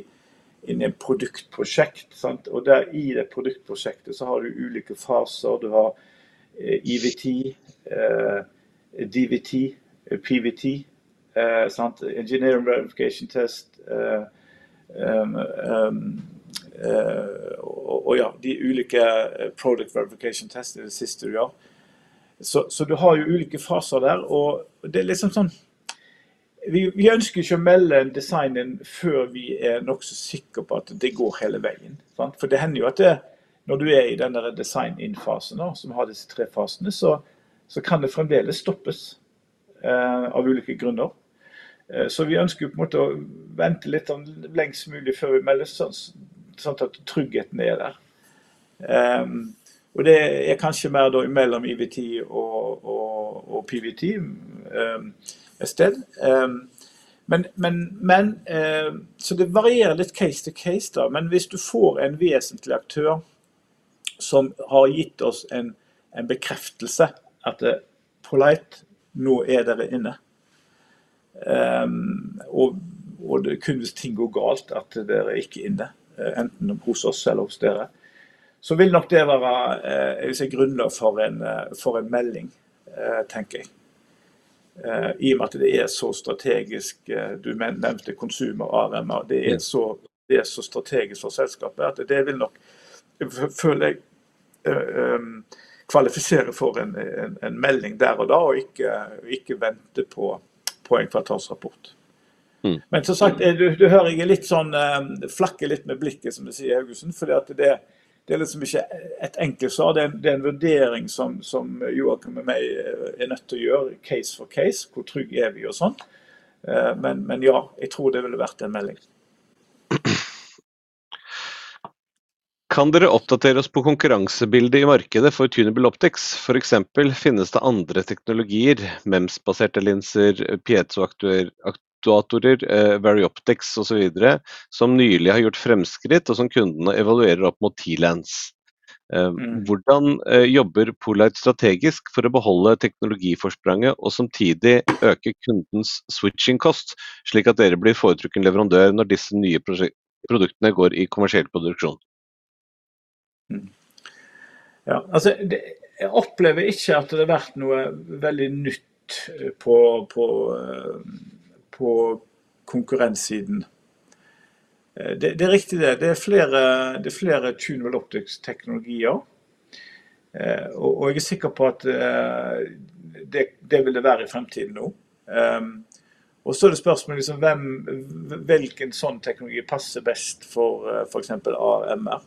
et produktprosjekt, sant, og der i det produktprosjektet så har du ulike faser, du har IVT, DVT, PVT, sant, engineering verification test, og ja, de ulike product verification tests i det siste, ja. Så du har jo ulike faser der, og det liksom sånn, vi ønsker ikke å melde en design inn før vi nokså sikre på at det går hele veien, sant, for det hender jo at når du i den der design inn-fasen da, som har disse tre fasene, så kan det fremdeles stoppes, av ulike grunner. Så vi ønsker jo på en måte å vente litt sånn lengst mulig før vi melder, sånn at tryggheten der. Og det kanskje mer da mellom IVT og PVT, et sted. Men så det varierer litt case to case da, men hvis du får en vesentlig aktør som har gitt oss en bekreftelse at PoLight, nå dere inne, og det kun hvis ting går galt at dere ikke inne, enten hos oss eller hos dere, så vil nok det være, jeg vil si grunnlag for en melding, tenker jeg. I og med at det så strategisk, du nevnte konsumer-ARM, det så strategisk for selskapet at det vil nok, føler jeg, kvalifisere for en melding der og da, og ikke vente på en kvartalsrapport. Men som sagt, du hører jeg litt sånn, flekker litt med blikket, som du sier, Augustin, fordi at det ikke er et enkelt svar, det er en vurdering som Joakim og jeg er nødt til å gjøre case for case, hvor trygg vi er og sånt. Men ja, jeg tror det ville vært en melding. Kan dere oppdatere oss på konkurransebildet i markedet for Tunable Optics? For eksempel, finnes det andre teknologier, MEMS-baserte linser, piezoaktuatorer, Vary Optics og så videre, som nylig har gjort fremskritt og som kundene evaluerer opp mot T-Lens? Hvordan jobber PoLight strategisk for å beholde teknologiforspranget og samtidig øke kundens switching cost, slik at dere blir foretrukket leverandør når disse nye produktene går i kommersiell produksjon? Ja, altså, jeg opplever ikke at det har vært noe veldig nytt på konkurrenssiden. Det er riktig at det er flere Tunable Optics-teknologier, og jeg er sikker på at det vil det være i fremtiden også. Og så er det spørsmålet om hvem, hvilken teknologi som passer best for for eksempel AMR.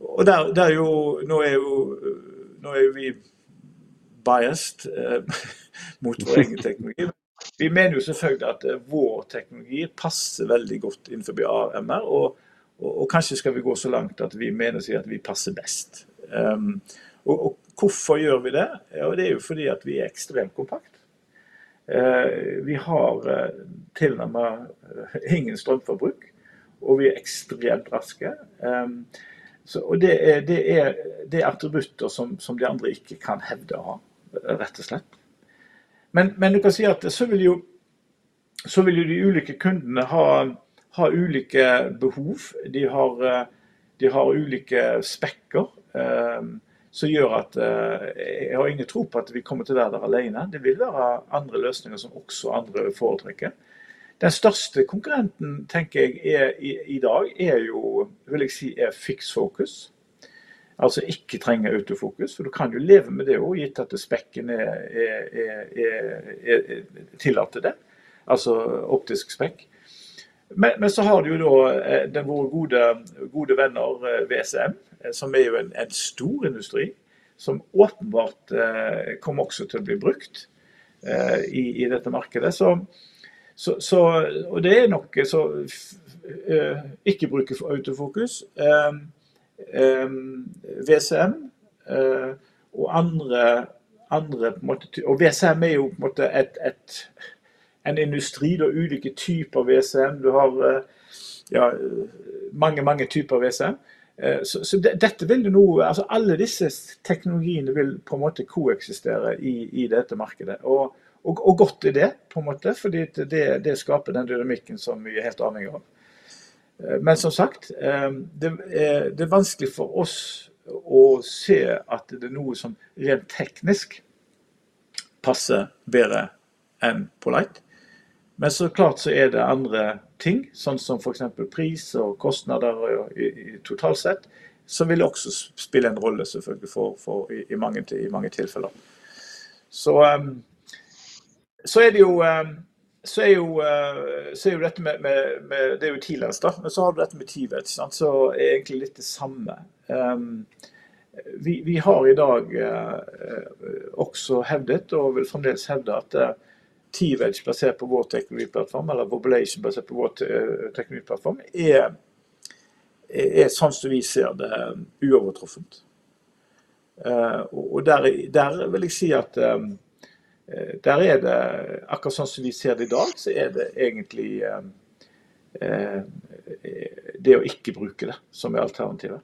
Og der er vi jo biased mot vår egen teknologi, men vi mener jo selvfølgelig at vår teknologi passer veldig godt inn for AMR, og kanskje skal vi gå så langt at vi mener å si at vi passer best. Og hvorfor gjør vi det? Ja, det er jo fordi at vi er ekstremt kompakt. Vi har tilnærmet ingen strømforbruk, og vi er ekstremt raske. Så det er attributter som de andre ikke kan hevde å ha, rett og slett. Men du kan si at så vil jo de ulike kundene ha ulike behov, de har ulike spekker, som gjør at jeg har ingen tro på at vi kommer til å være der alene. Det vil være andre løsninger som også andre foretrekker. Den største konkurrenten, tenker jeg, i dag vil jeg si Fix Focus, altså ikke trenger autofokus, for du kan jo leve med det også, gitt at spekken tillater det, altså optisk spekk. Men så har du jo da den vår gode, gode venner VCM, som jo en stor industri, som åpenbart kommer også til å bli brukt i dette markedet, så og det nok så, ikke bruke for autofokus VCM, og andre på en måte, og VCM jo på en måte et en industri, da ulike typer VCM, du har ja, mange, mange typer VCM, så dette vil jo nå, altså alle disse teknologiene vil på en måte koeksistere i dette markedet, og godt i det, på en måte, fordi at det skaper den dynamikken som vi helt avhengig av. Men som sagt, det er vanskelig for oss å se at det er noe som rent teknisk passer bedre enn PoLight, men så klart så er det andre ting, sånn som for eksempel pris og kostnader og totalsett, som vil også spille en rolle selvfølgelig for, i mange, i mange tilfeller. Så det er jo dette med T-Lens da, men så har du dette med T-Wedge, sant, så egentlig litt det samme. Vi har i dag også hevdet, og vil fremdeles hevde at T-Wedge basert på vår teknologiplattform, eller Voblation basert på vår teknologiplattform, sånn som vi ser det, er uovertroffent. Og der vil jeg si at, der det akkurat sånn som vi ser det i dag, så er det egentlig, det å ikke bruke det, som er alternativet.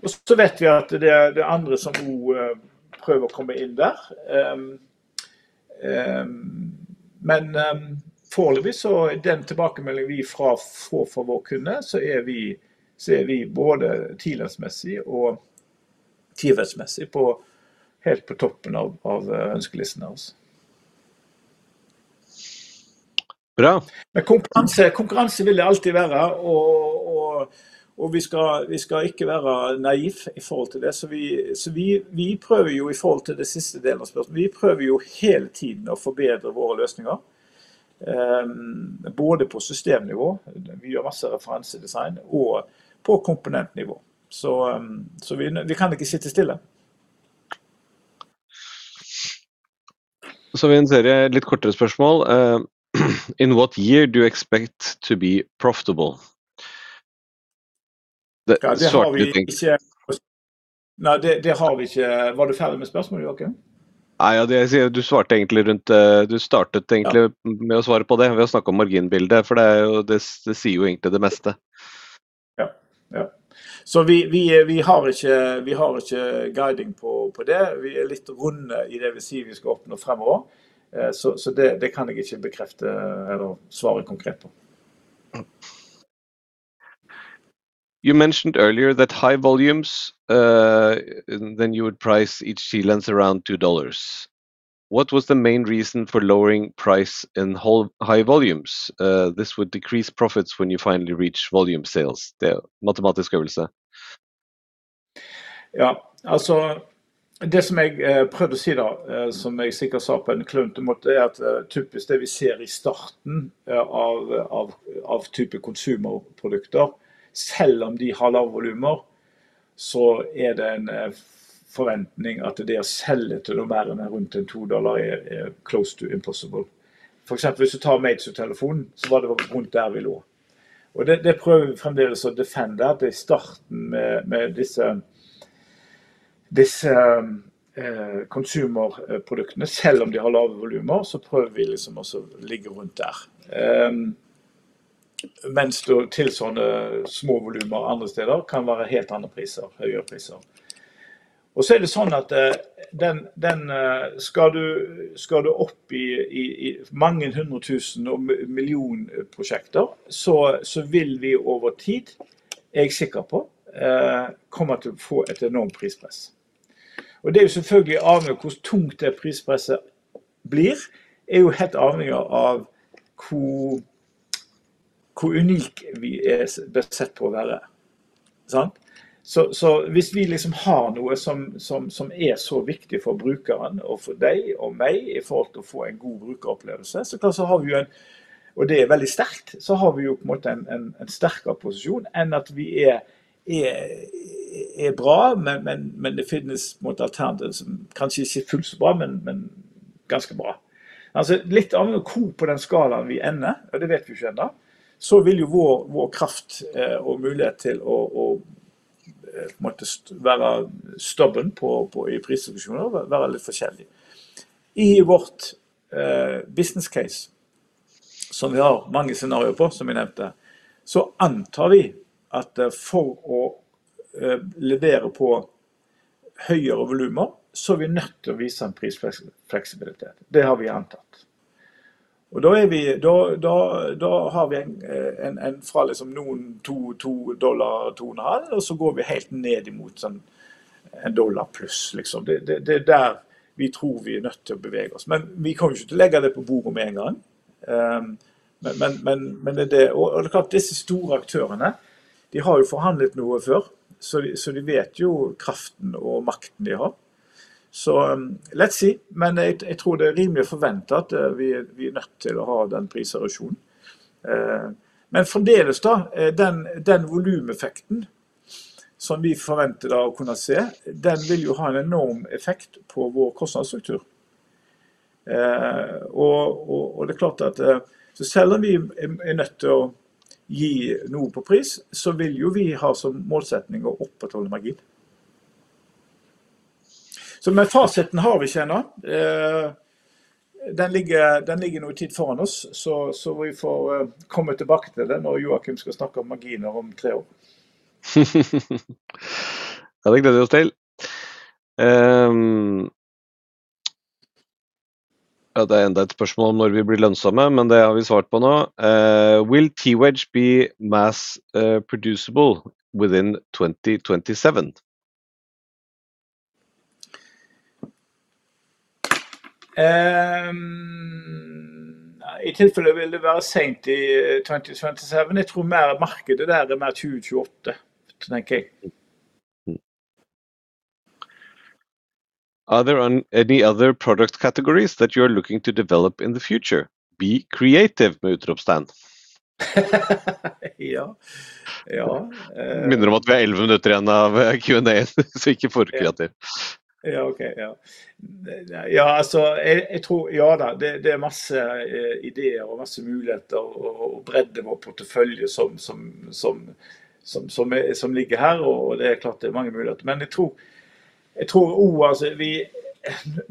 Og så vet vi at det andre som også prøver å komme inn der, men foreløpig så, i den tilbakemeldingen vi får fra våre kunder, så vi både T-Lens-messig og T-Wedge-messig på helt på toppen av ønskelisten av oss. Bra. Men konkurranse, konkurranse vil det alltid være, og vi skal ikke være naive i forhold til det, så vi prøver jo i forhold til det siste delen av spørsmålet, vi prøver jo hele tiden å forbedre våre løsninger, både på systemnivå, vi gjør masse referansedesign, og på komponentnivå, så vi kan ikke sitte stille. Så vil jeg stille en serie litt kortere spørsmål. In what year do you expect to be profitable? Det har vi ikke noe, det har vi ikke. Var du ferdig med spørsmålet, Joakim? Nei, ja, det jeg sier, du svarte egentlig rundt, du startet egentlig med å svare på det, ved å snakke om marginbildet, for det jo, det, det sier jo egentlig det meste. Ja, så vi har ikke guiding på det, vi litt runde i det vi sier vi skal oppnå fremover, så det kan jeg ikke bekrefte eller svare konkret på. You mentioned earlier that high volumes, then you would price each T-Lens around $2. What was the main reason for lowering price in high volumes? This would decrease profits when you finally reach volume sales. Det matematisk øvelse. Ja, altså, det som jeg prøvde å si da, som jeg sikkert sa på en kluntete måte, det at typisk det vi ser i starten av konsumerprodukter, selv om de har lave volumer, så er det en forventning at det å selge til noen mer enn rundt $2 er close to impossible. For eksempel, hvis du tar Made to Telefon, så var det rundt der vi lå. Og det prøver vi fremdeles å forsvare, at det i starten med disse konsumerproduktene, selv om de har lave volumer, så prøver vi liksom å ligge rundt der. Mens du tilsvarende små volumer andre steder kan være helt andre priser, høyere priser. Og så er det sånn at den, skal du opp i mange hundre tusen og millionprosjekter, så vil vi over tid, jeg er sikker på, komme til å få et enormt prispress. Og det er jo selvfølgelig avhengig av hvor tungt det prispresset blir, helt avhengig av hvor unike vi besetter på å være. Sant? Så hvis vi har noe som er så viktig for brukeren og for deg og meg i forhold til å få en god brukeropplevelse, så kanskje har vi en, og det veldig sterkt, så har vi på en måte en sterkere posisjon enn at vi er bra, men det finnes på en måte alternativer som kanskje ikke er fullt så bra, men ganske bra. Altså, litt avhengig av hvor på den skalaen vi ender, og det vet vi jo ikke enda, så vil jo vår kraft og mulighet til å på en måte være stubben på i prisposisjoner være litt forskjellig. I vårt business case, som vi har mange scenarier på, som jeg nevnte, så antar vi at for å levere på høyere volymer, så er vi nødt til å vise en prisfleksibilitet. Det har vi antatt. Og da har vi en fra noen $2, $2.50, og så går vi helt ned imot sånn $1 pluss. Det er der vi tror vi er nødt til å bevege oss. Men vi kommer ikke til å legge det på bordet med en gang. Men det klart, disse store aktørene, de har jo forhandlet noe før, så de vet jo kraften og makten de har. Så, let's see, men jeg tror det er rimelig forventet at vi er nødt til å ha den prisversjonen. Men fremdeles da, den volumeffekten som vi forventer da å kunne se, den vil jo ha en enorm effekt på vår kostnadsstruktur. Og det er klart at, så selv om vi er nødt til å gi noe på pris, så vil jo vi ha som målsetning å opprettholde margin. Så med fasiten har vi ikke enda. Den ligger nå i tid foran oss, så vi får komme tilbake til det når Joakim skal snakke om marginer om tre år. Ja, det gleder vi oss til. Ja, det enda et spørsmål om når vi blir lønnsomme, men det har vi svart på nå. Will T-Wedge be mass producible within 2027? Ehm, ja, i tilfelle vil det være sent i 2027. Jeg tror mer markedet der mer 2028, tenker jeg. Are there any other product categories that you are looking to develop in the future? Be creative! Ja, ja. Minner om at vi har 11 minutter igjen av Q&A, så ikke vær for kreativ. Ja, ok, ja. Ja, altså, jeg tror, ja da, det er masse ideer og masse muligheter å bredde vår portefølje som ligger her, og det er klart det er mange muligheter. Men jeg tror også, altså, vi,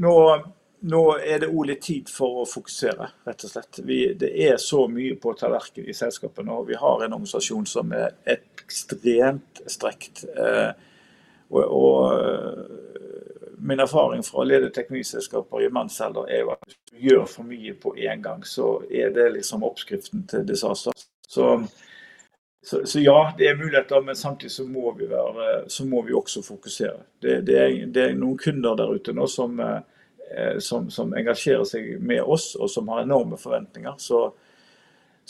nå er det også litt tid for å fokusere, rett og slett. Vi har så mye på tallerkenen i selskapet nå, og vi har en organisasjon som er ekstremt strukket. Min erfaring fra ledende teknologiselskaper i mannsalder er jo at hvis du gjør for mye på en gang, så er det liksom oppskriften til disse avstandene. Så ja, det er muligheter, men samtidig så må vi være, så må vi også fokusere. Det er noen kunder der ute nå som engasjerer seg med oss og som har enorme forventninger. Så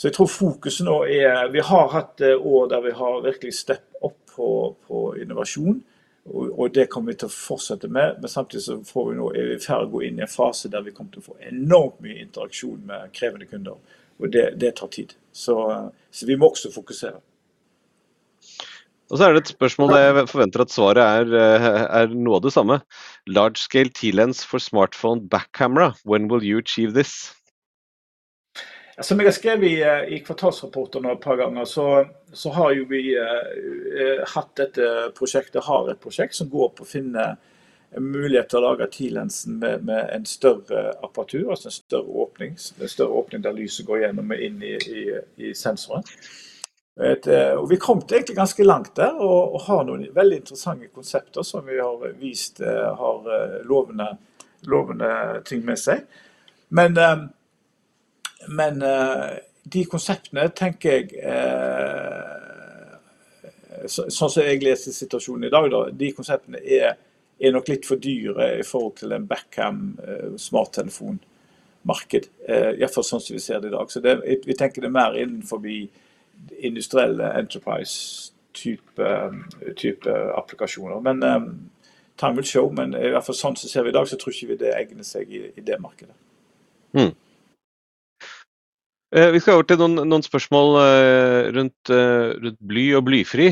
jeg tror fokuset nå vi har hatt år der vi har virkelig steppet opp på innovasjon, og det kommer vi til å fortsette med, men samtidig så får vi nå, vi er i ferd med å gå inn i en fase der vi kommer til å få enormt mye interaksjon med krevende kunder, og det tar tid. Så vi må også fokusere. Og så det et spørsmål jeg forventer at svaret noe av det samme. Large scale T-Lens for smartphone backcamera, when will you achieve this? Som jeg har skrevet i kvartalsrapporten noen ganger, så har vi hatt dette prosjektet, har et prosjekt som går på å finne muligheter å lage T-Lensen med en større apparatur, altså en større åpning der lyset går gjennom inn i sensoren. Vi kom egentlig ganske langt der, og har noen veldig interessante konsepter som vi har vist, har lovende ting med seg. Men de konseptene tenker jeg, sånn som jeg leser situasjonen i dag, de konseptene er nok litt for dyre i forhold til et backcam smarttelefon marked, i hvert fall sånn som vi ser det i dag. Så vi tenker det mer innenfor de industrielle enterprise type applikasjoner. Men, time will show, men i hvert fall sånn som vi ser det i dag, så tror ikke vi det egner seg i det markedet. Vi skal over til noen spørsmål rundt bly og blyfri.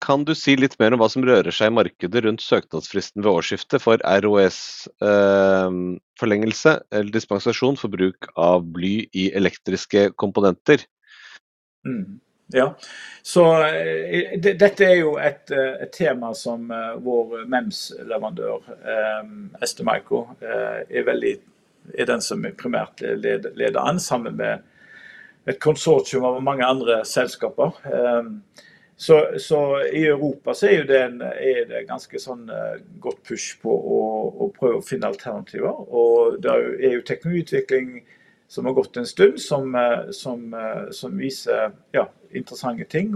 Kan du si litt mer om hva som rører seg i markedet rundt søknadsfristen ved årsskiftet for RoHS-forlengelse eller dispensasjon for bruk av bly i elektriske komponenter? Ja. Så dette er jo et tema som vår MEMS-leverandør, Estemico, veldig, den som primært leder an, sammen med et konsortium av mange andre selskaper. Så i Europa så er det jo en ganske god push på å prøve å finne alternativer. Det er jo teknologiutvikling som har gått en stund, som viser interessante ting.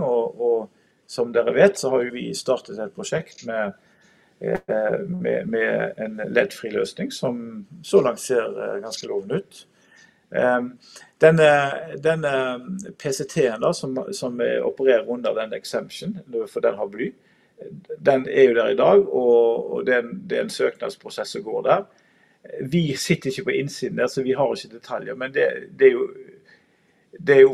Som dere vet, så har jo vi startet et prosjekt med en LED-fri løsning som så langt ser ganske lovende ut. Denne PCT-en da, som opererer under den exemption, for den har bly, den er jo der i dag, og det er en søknadsprosess som går der. Vi sitter ikke på innsiden der, så vi har ikke detaljer, men det er jo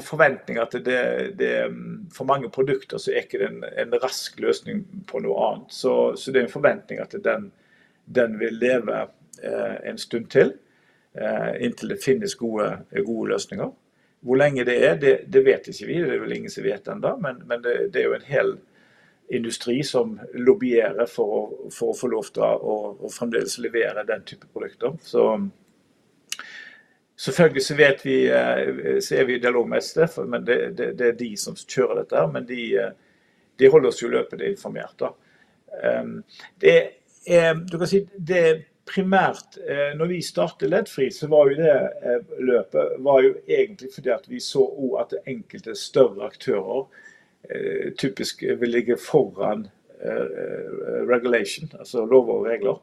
forventning at det for mange produkter så er ikke det en rask løsning på noe annet. Så det er jo en forventning at den vil leve en stund til, inntil det finnes gode løsninger. Hvor lenge det er, det vet ikke vi, det er vel ingen som vet enda, men det er jo en hel industri som lobbyerer for å få lov til å fremdeles levere den type produkter. Så selvfølgelig så vet vi, så er vi i dialog med STEF, men det er de som kjører dette her, men de holder oss jo løpende informert da. Det du kan si, det primært, når vi startet LED-fri, så var jo det løpet egentlig fordi at vi så også at enkelte større aktører typisk vil ligge foran regulation, altså lover og regler.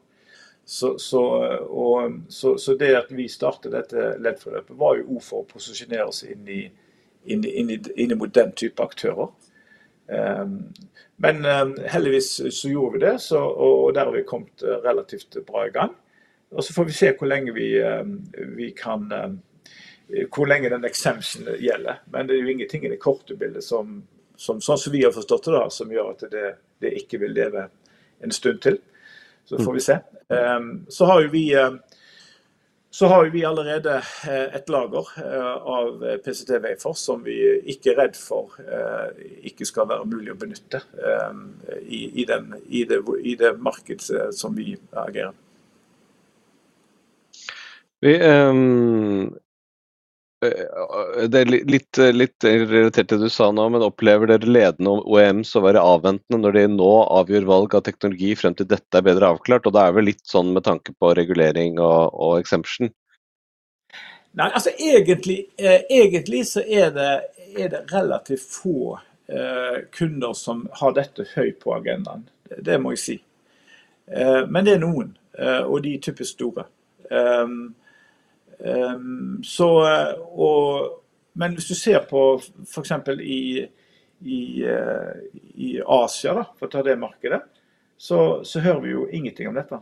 Så det at vi startet dette LED-forløpet var jo også for å posisjonere oss inn mot den type aktører. Men heldigvis så gjorde vi det, og der har vi kommet relativt bra i gang. Så får vi se hvor lenge vi kan, hvor lenge den exemptionen gjelder. Men det jo ingenting i det korte bildet som, sånn som vi har forstått det da, som gjør at det ikke vil leve en stund til. Så får vi se. Ehm, så har jo vi allerede et lager av PCT-vegfors som vi ikke er redd for, ikke skal være mulig å benytte i det markedet som vi agerer. Vi, det litt relatert til det du sa nå, men opplever dere ledende OEMs å være avventende når de nå avgjør valg av teknologi frem til dette bedre avklart? Og da vel litt sånn med tanke på regulering og exemption? Nei, altså egentlig så er det relativt få kunder som har dette høyt på agendaen. Det må jeg si. Men det er noen, og de er typisk store. Så, men hvis du ser på for eksempel i Asia da, for å ta det markedet, så hører vi jo ingenting om dette.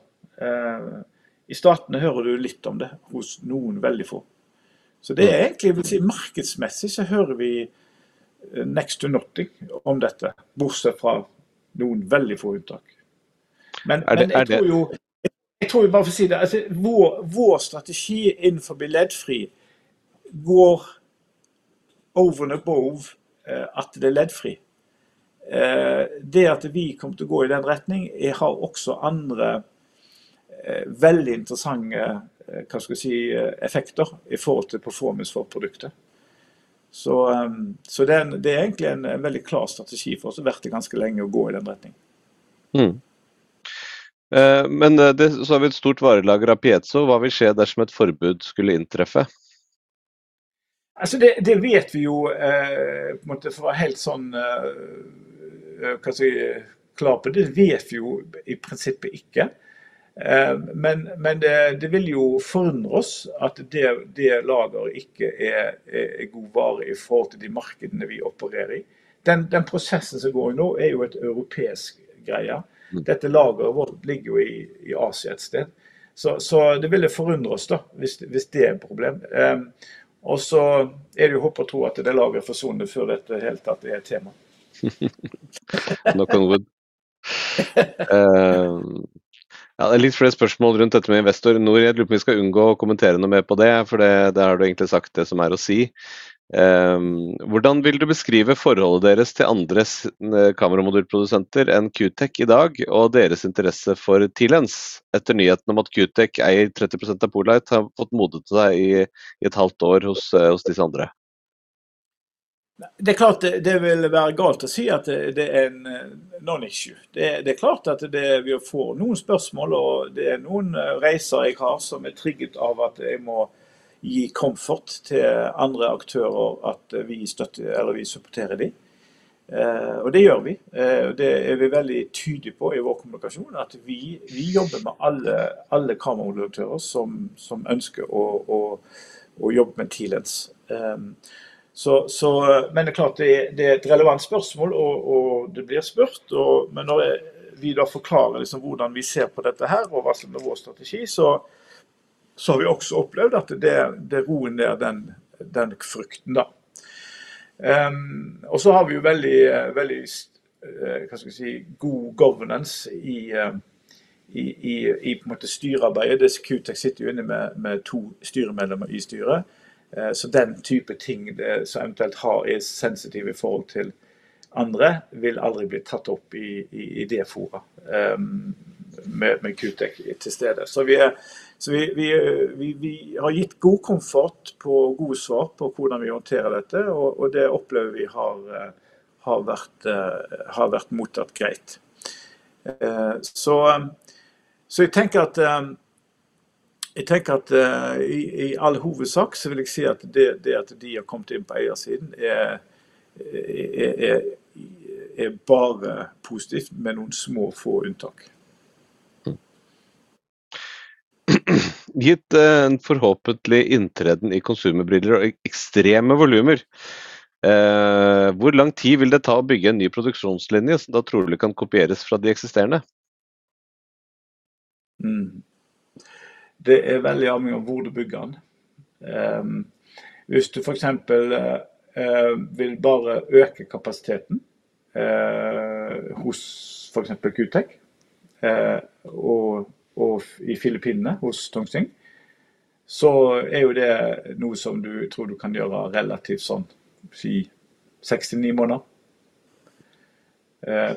I starten hører du litt om det hos noen veldig få. Så det er egentlig, jeg vil si markedsmessig så hører vi next to nothing om dette, bortsett fra noen veldig få unntak. Men jeg tror jo, jeg tror jo bare for å si det, altså vår strategi innenfor LED-fri går over and above at det er LED-fri. Det at vi kommer til å gå i den retning har også andre veldig interessante effekter i forhold til performance for produktet. Det er egentlig en veldig klar strategi for oss og har vært det ganske lenge å gå i den retningen. Men det, så har vi et stort varelager av piezo. Hva vil skje dersom et forbud skulle inntreffe? Altså, det vet vi jo på en måte, for å være helt sånn, hva skal jeg si, klar på det, det vet vi jo i prinsippet ikke. Men det vil jo forundre oss at det lageret ikke har god vare i forhold til de markedene vi opererer i. Den prosessen som går nå er jo en europeisk greie. Dette lageret vårt ligger jo i Asia et sted. Så det vil jo forundre oss da hvis det er et problem. Og så er det jo håp å tro at det lageret forsvinner før dette hele blir tatt som et tema. Nok om det. Ja, det er litt flere spørsmål rundt dette med investor. Nå er jeg litt usikker på om vi skal unngå å kommentere noe mer på det, for det har du egentlig sagt det som er å si. Hvordan vil du beskrive forholdet deres til andre kameramodulprodusenter enn QTech i dag, og deres interesse for T-Lens etter nyheten om at QTech eier 30% av Polite har fått oppmerksomhet i et halvt år hos disse andre? Det er klart det, det vil være galt å si at det er en non-issue. Det er klart at vi får noen spørsmål, og det er noen reiser jeg har som trigges av at jeg må gi comfort til andre aktører at vi støtter, eller vi supporterer de. Og det gjør vi. Vi er veldig tydelig på i vår kommunikasjon at vi jobber med alle kameramodulaktører som ønsker å jobbe med T-Lens. Men det er klart det er et relevant spørsmål og det blir spurt, men når vi da forklarer hvordan vi ser på dette her og hva som er vår strategi, så har vi også opplevd at det roer ned den frykten da. Og så har vi jo veldig god governance i styrearbeidet. Det QTech sitter jo inne med to styremedlemmer i styret, så den type ting det som eventuelt har sensitiv i forhold til andre, vil aldri bli tatt opp i det fora med QTech til stede. Så vi har gitt god comfort på gode svar på hvordan vi håndterer dette, og det opplever vi har vært mottatt greit. Så jeg tenker at i all hovedsak så vil jeg si at det at de har kommet inn på eier siden bare positivt med noen små få unntak. Gitt en forhåpentligvis inntreden i konsumerbriller og ekstreme volumer, hvor lang tid vil det ta å bygge en ny produksjonslinje som da trolig kan kopieres fra de eksisterende? Det er veldig avhengig av hvor du bygger den. Hvis du for eksempel vil bare øke kapasiteten hos for eksempel QTech, og i Filippinene hos Tongsing, så er jo det noe som du tror du kan gjøre relativt sånn på 6-9 måneder.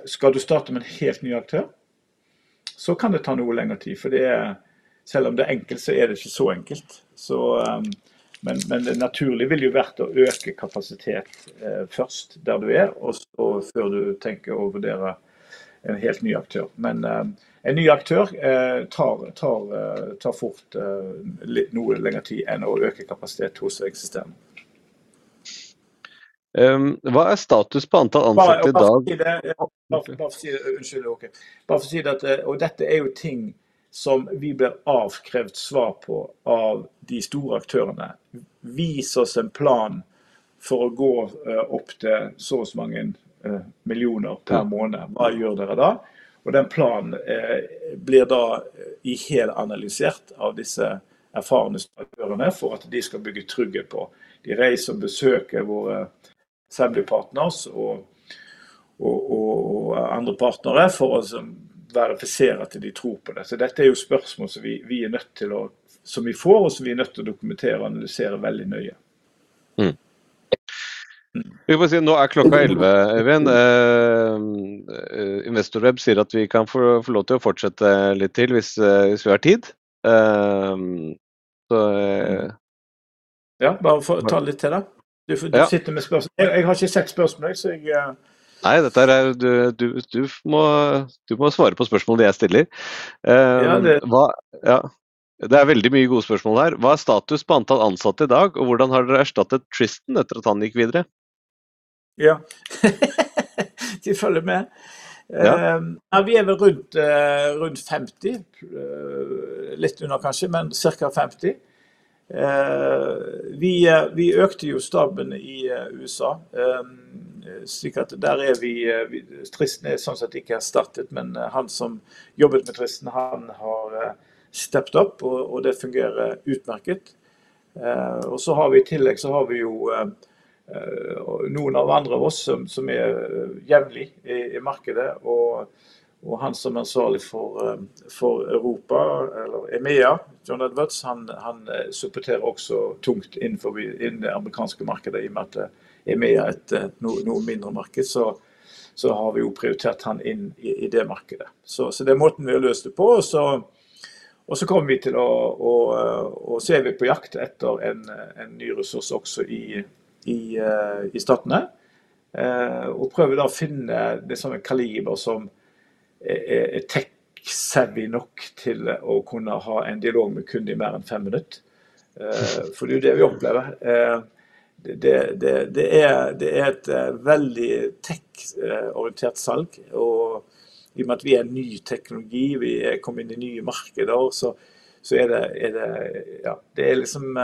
Skal du starte med en helt ny aktør, så kan det ta noe lenger tid, for det selv om det er enkelt, så er det ikke så enkelt. Men det naturlige vil jo være å øke kapasitet først der du har det, og så før du tenker å vurdere en helt ny aktør. Men en ny aktør tar fort litt noe lenger tid enn å øke kapasitet hos det eksisterende. Hva er status på antall ansatte i dag? La oss si, la oss si, unnskyld, ok, la oss si det at, og dette er jo ting som vi blir avkrevd svar på av de store aktørene. Vis oss en plan for å gå opp til så og så mange millioner per måned. Hva gjør dere da? Og den planen blir da i hel analysert av disse erfarne aktørene for at de skal bygge trygghet på. De reiser og besøker våre assembly partners og andre partnere for å verifisere at de tror på det. Så dette er jo spørsmål som vi er nødt til å, som vi får, og som vi er nødt til å dokumentere og analysere veldig nøye. Vi får se, nå klokka 11, Øyvind. Investor Web sier at vi kan få lov til å fortsette litt til hvis vi har tid. Ja, bare for å ta litt til da. Du får, du sitter med spørsmål. Jeg har ikke sett spørsmålet, så jeg. Nei, dette her du må svare på spørsmålene jeg stiller. Ja. Hva, ja, det er veldig mange gode spørsmål her. Hva er status på antall ansatte i dag, og hvordan har dere erstattet Tristan etter at han gikk videre? Ja. De følger med. Nei, vi vel rundt, rundt 50, litt under kanskje, men cirka 50. Vi økte jo staben i USA, slik at der vi, Tristan sånn sett ikke erstattet, men han som jobbet med Tristan, han har steppet opp, og det fungerer utmerket. Og så har vi i tillegg, så har vi jo, noen av andre av oss som jevnlig i markedet, og han som ansvarlig for Europa, eller EMEA, John Edwards, han supporterer også tungt innenfor det amerikanske markedet, i og med at EMEA et noe mindre marked, så har vi jo prioritert han inn i det markedet. Så det måten vi har løst det på, og så kommer vi til å se vi på jakt etter en ny ressurs også i Statnet, og prøver da å finne det som en kaliber som tech-savvy nok til å kunne ha en dialog med kunden i mer enn fem minutter. For det jo det vi opplever. Det et veldig tech-orientert salg, og i og med at vi en ny teknologi, vi kommer inn i nye markeder, så det, ja, det liksom,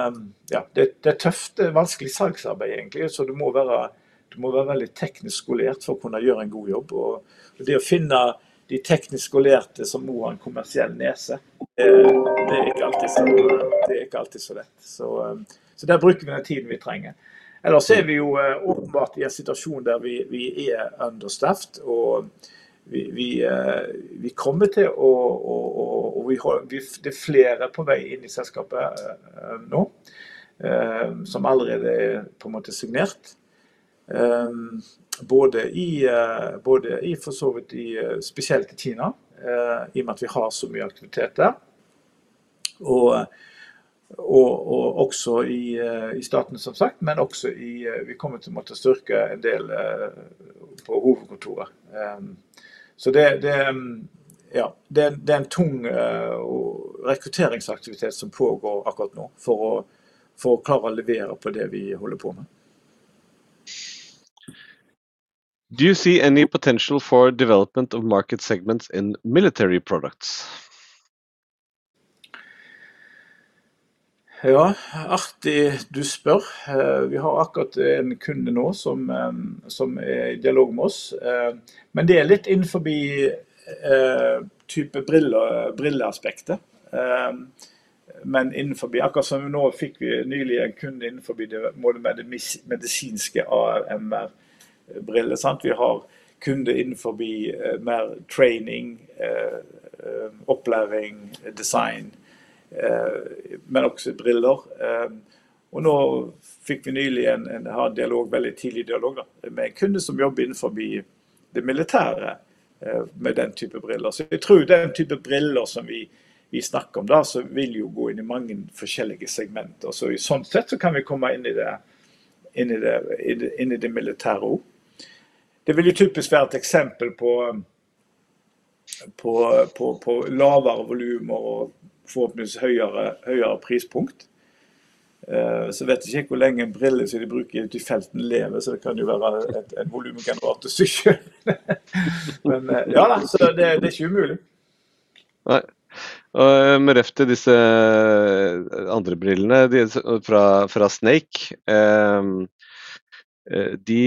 ja, det tøft, det vanskelig salgsarbeid egentlig, så du må være, du må være veldig teknisk skolert for å kunne gjøre en god jobb, og det å finne de teknisk skolerte som må ha en kommersiell nese, det ikke alltid så, det ikke alltid så lett. Så der bruker vi den tiden vi trenger. Ellers så er vi jo åpenbart i en situasjon der vi er understaffet, og vi kommer til å, og vi har flere på vei inn i selskapet nå, som allerede på en måte har signert. Både i, både for så vidt spesielt i Kina, i og med at vi har så mye aktivitet der, og også i Statnet, som sagt, men også vi kommer til å måtte styrke en del på hovedkontoret. Så det er en tung rekrutteringsaktivitet som pågår akkurat nå for å klare å levere på det vi holder på med. Do you see any potential for development of market segments in military products? Ja, artig du spør. Vi har akkurat en kunde nå som er i dialog med oss, men det litt innenfor brille-aspektet, men innenfor, akkurat som vi nå fikk vi nylig en kunde innenfor det med det medisinske AR/VR-briller. Vi har kunder innenfor mer training, opplæring, design, men også briller. Og nå fikk vi nylig en veldig tidlig dialog da, med en kunde som jobber innenfor det militære, med den type briller. Så jeg tror den type briller som vi snakker om da, så vil jo gå inn i mange forskjellige segmenter. Så i sånt sett så kan vi komme inn i det militære også. Det vil jo typisk være et eksempel på lavere volymer og forhåpentligvis høyere prispunkt. Så vet jeg ikke hvor lenge briller som de bruker i de feltene lever, så det kan jo være et volymgeneratorstykke. Men ja, da, så det er ikke umulig. Nei. Og med røft til disse andre brillene, de fra Snake, ehm, de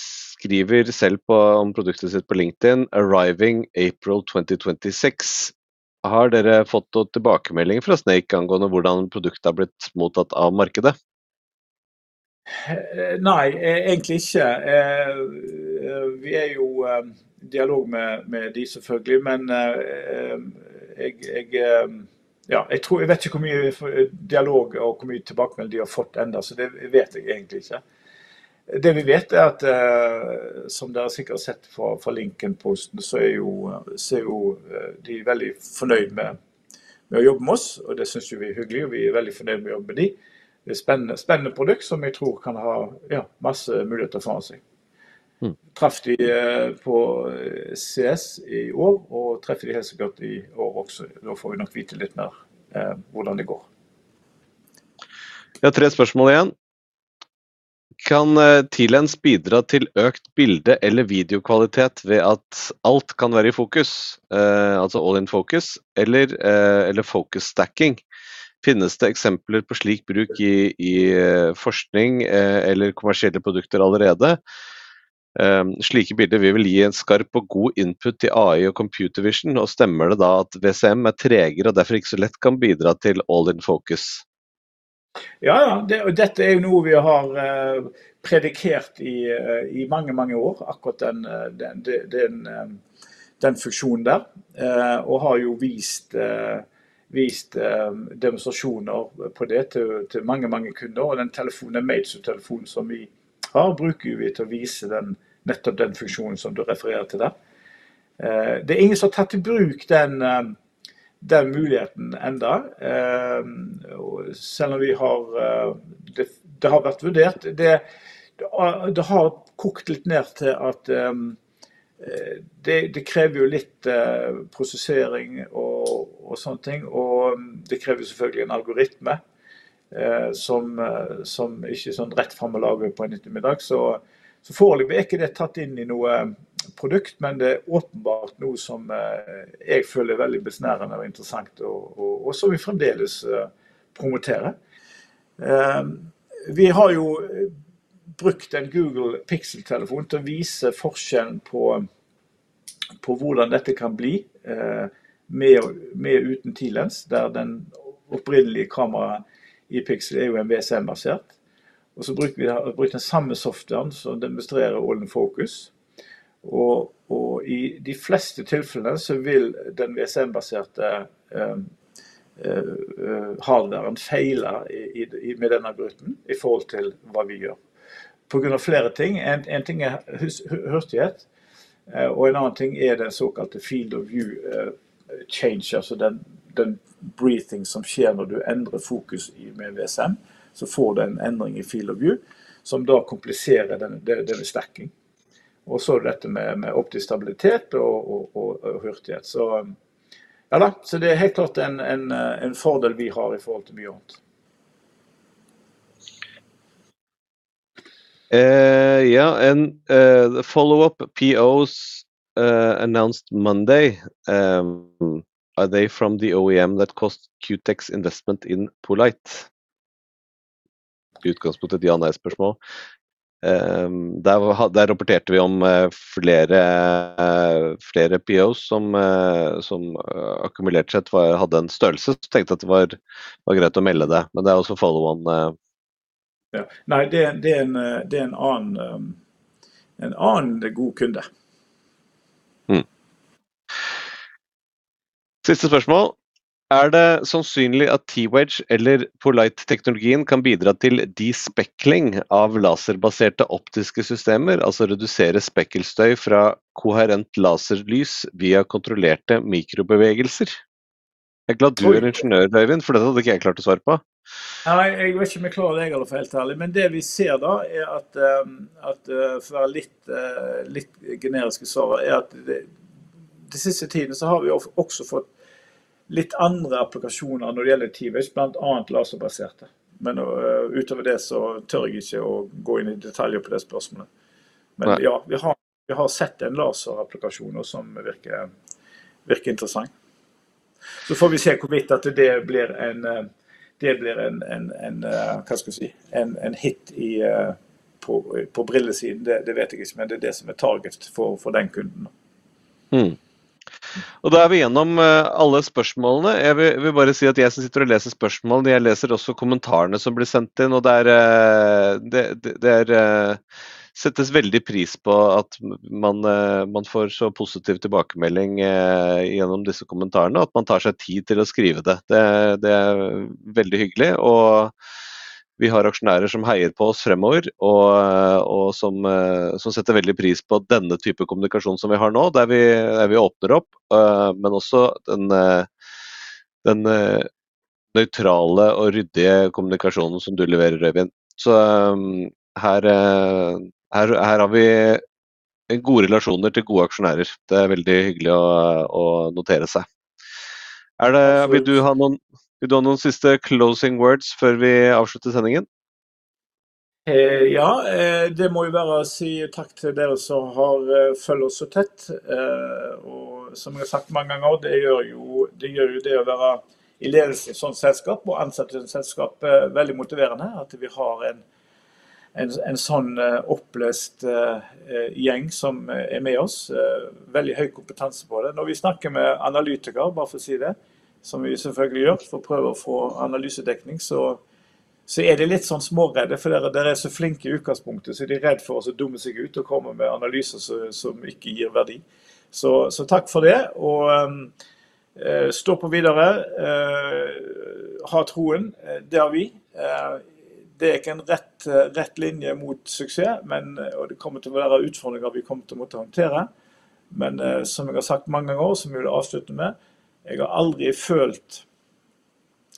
skriver selv på om produktet sitt på LinkedIn, arriving April 2026. Har dere fått noen tilbakemeldinger fra Snake angående hvordan produktet har blitt mottatt av markedet? Nei, egentlig ikke. Vi er jo i dialog med dem selvfølgelig, men jeg tror ikke jeg vet hvor mye dialog og hvor mye tilbakemelding de har fått enda, så det vet jeg egentlig ikke. Det vi vet, som dere sikkert har sett fra LinkedIn-posten, er at de er veldig fornøyd med å jobbe med oss, og det synes vi er hyggelig, og vi er veldig fornøyd med å jobbe med dem. Det er et spennende produkt som jeg tror kan ha masse muligheter foran seg. Traff dem på CS i år, og treffer dem sikkert i år også. Da får vi nok vite litt mer om hvordan det går. Vi har tre spørsmål igjen. Kan T-Lens bidra til økt bilde- eller videokvalitet ved at alt kan være i fokus, altså all-in-focus, eller focus stacking? Finnes det eksempler på slik bruk i forskning eller kommersielle produkter allerede? Slike bilder vil gi en skarp og god input til AI og computer vision, og stemmer det da at VCM er tregere og derfor ikke så lett kan bidra til all-in-focus? Ja, ja, det, og dette er jo noe vi har predikert i mange, mange år, akkurat den funksjonen der, og har jo vist demonstrasjoner på det til mange, mange kunder, og den telefonen, Made-to-telefonen som vi har, bruker jo vi til å vise nettopp den funksjonen som du refererer til der. Det er ingen som har tatt i bruk den muligheten enda, og selv om vi har, det har vært vurdert, det har kokt litt ned til at det krever jo litt prosessering og sånne ting, og det krever jo selvfølgelig en algoritme, som ikke er sånn rett frem og laget på en nyttemiddag, så foreløpig er det ikke tatt inn i noe produkt, men det er åpenbart noe som jeg føler er veldig besnærende og interessant, og som vi fremdeles promoterer. Vi har jo brukt en Google Pixel-telefon til å vise forskjellen på hvordan dette kan bli med og uten T-Lens, der det opprinnelige kameraet i Pixel jo er VCM-basert, og så bruker vi den samme softwaren som demonstrerer all-in-focus. I de fleste tilfellene så vil den VCM-baserte hardwaren feile med den algoritmen i forhold til hva vi gjør. På grunn av flere ting, en ting hastighet, og en annen ting den såkalte field of view change, altså den breathing som skjer når du endrer fokus med VCM, så får du en endring i field of view, som da kompliserer den stacking. Så det dette med optisk stabilitet og hastighet, så det er helt klart en fordel vi har i forhold til mye annet. Ja, en, follow-up POs, announced Monday, are they from the OEM that cost QTech's investment in Polite? Utgangspunktet til de andre spørsmålene. Der rapporterte vi om flere POs som akkumulerte seg, hadde en størrelse, så tenkte jeg at det var greit å melde det, men det også follow-on. Ja, nei, det er en annen god kunde. Siste spørsmål. Er det sannsynlig at T-Wage eller Polite-teknologien kan bidra til despeckling av laserbaserte optiske systemer, altså redusere spekkelstøy fra koherent laserlys via kontrollerte mikrobevegelser? Jeg er glad du er ingeniør, Øyvind, for dette hadde ikke jeg klart å svare på. Nei, jeg var ikke med klare deg i alle fall, men det vi ser da at for å være litt generiske svaret, at det siste tiden så har vi også fått litt andre applikasjoner når det gjelder T-Wage, blant annet laserbaserte, men utover det så tør jeg ikke å gå inn i detaljer på det spørsmålet. Men ja, vi har sett en laserapplikasjon som virker interessant. Så får vi se hvorvidt at det blir en hit på brillesiden, det vet jeg ikke, men det som target for den kunden. Og da vi gjennom alle spørsmålene. Jeg vil bare si at jeg som sitter og leser spørsmålene, jeg leser også kommentarene som blir sendt inn, og det settes veldig pris på at man får så positiv tilbakemelding gjennom disse kommentarene, og at man tar seg tid til å skrive det. Det er veldig hyggelig, og vi har aksjonærer som heier på oss fremover, og som setter veldig pris på denne type kommunikasjon som vi har nå, der vi åpner opp, men også den nøytrale og ryddige kommunikasjonen som du leverer, Øyvind. Så her har vi gode relasjoner til gode aksjonærer. Det er veldig hyggelig å notere seg. Vil du ha noen siste closing words før vi avslutter sendingen? Ja, det må jo være å si takk til dere som har fulgt oss så tett, og som jeg har sagt mange ganger, det gjør jo det å være i ledelsen i et sånt selskap, å ansette et selskap, veldig motiverende, at vi har en opplest gjeng som med oss, veldig høy kompetanse på det. Når vi snakker med analytikere, bare for å si det, som vi selvfølgelig gjør, for å prøve å få analysedekning, så det litt sånn småredde, for dere, dere så flinke i utgangspunktet, så de redde for å dumme seg ut og komme med analyser som ikke gir verdi. Så takk for det, og stå på videre, ha troen. Det har vi, det ikke en rett linje mot suksess, men det kommer til å være utfordringer vi kommer til å måtte håndtere. Men som jeg har sagt mange ganger, som jeg vil avslutte med, jeg har aldri følt,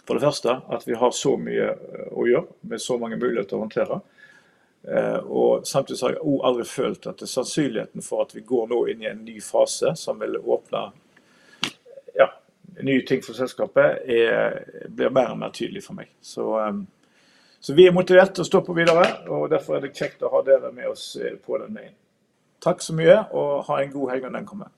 for det første, at vi har så mye å gjøre med så mange muligheter å håndtere, og samtidig så har jeg også aldri følt at sannsynligheten for at vi går nå inn i en ny fase som vil åpne nye ting for selskapet, blir mer og mer tydelig for meg. Så vi motivert til å stå på videre, og derfor det kjekt å ha dere med oss på den veien. Takk så mye, og ha en god helg når den kommer.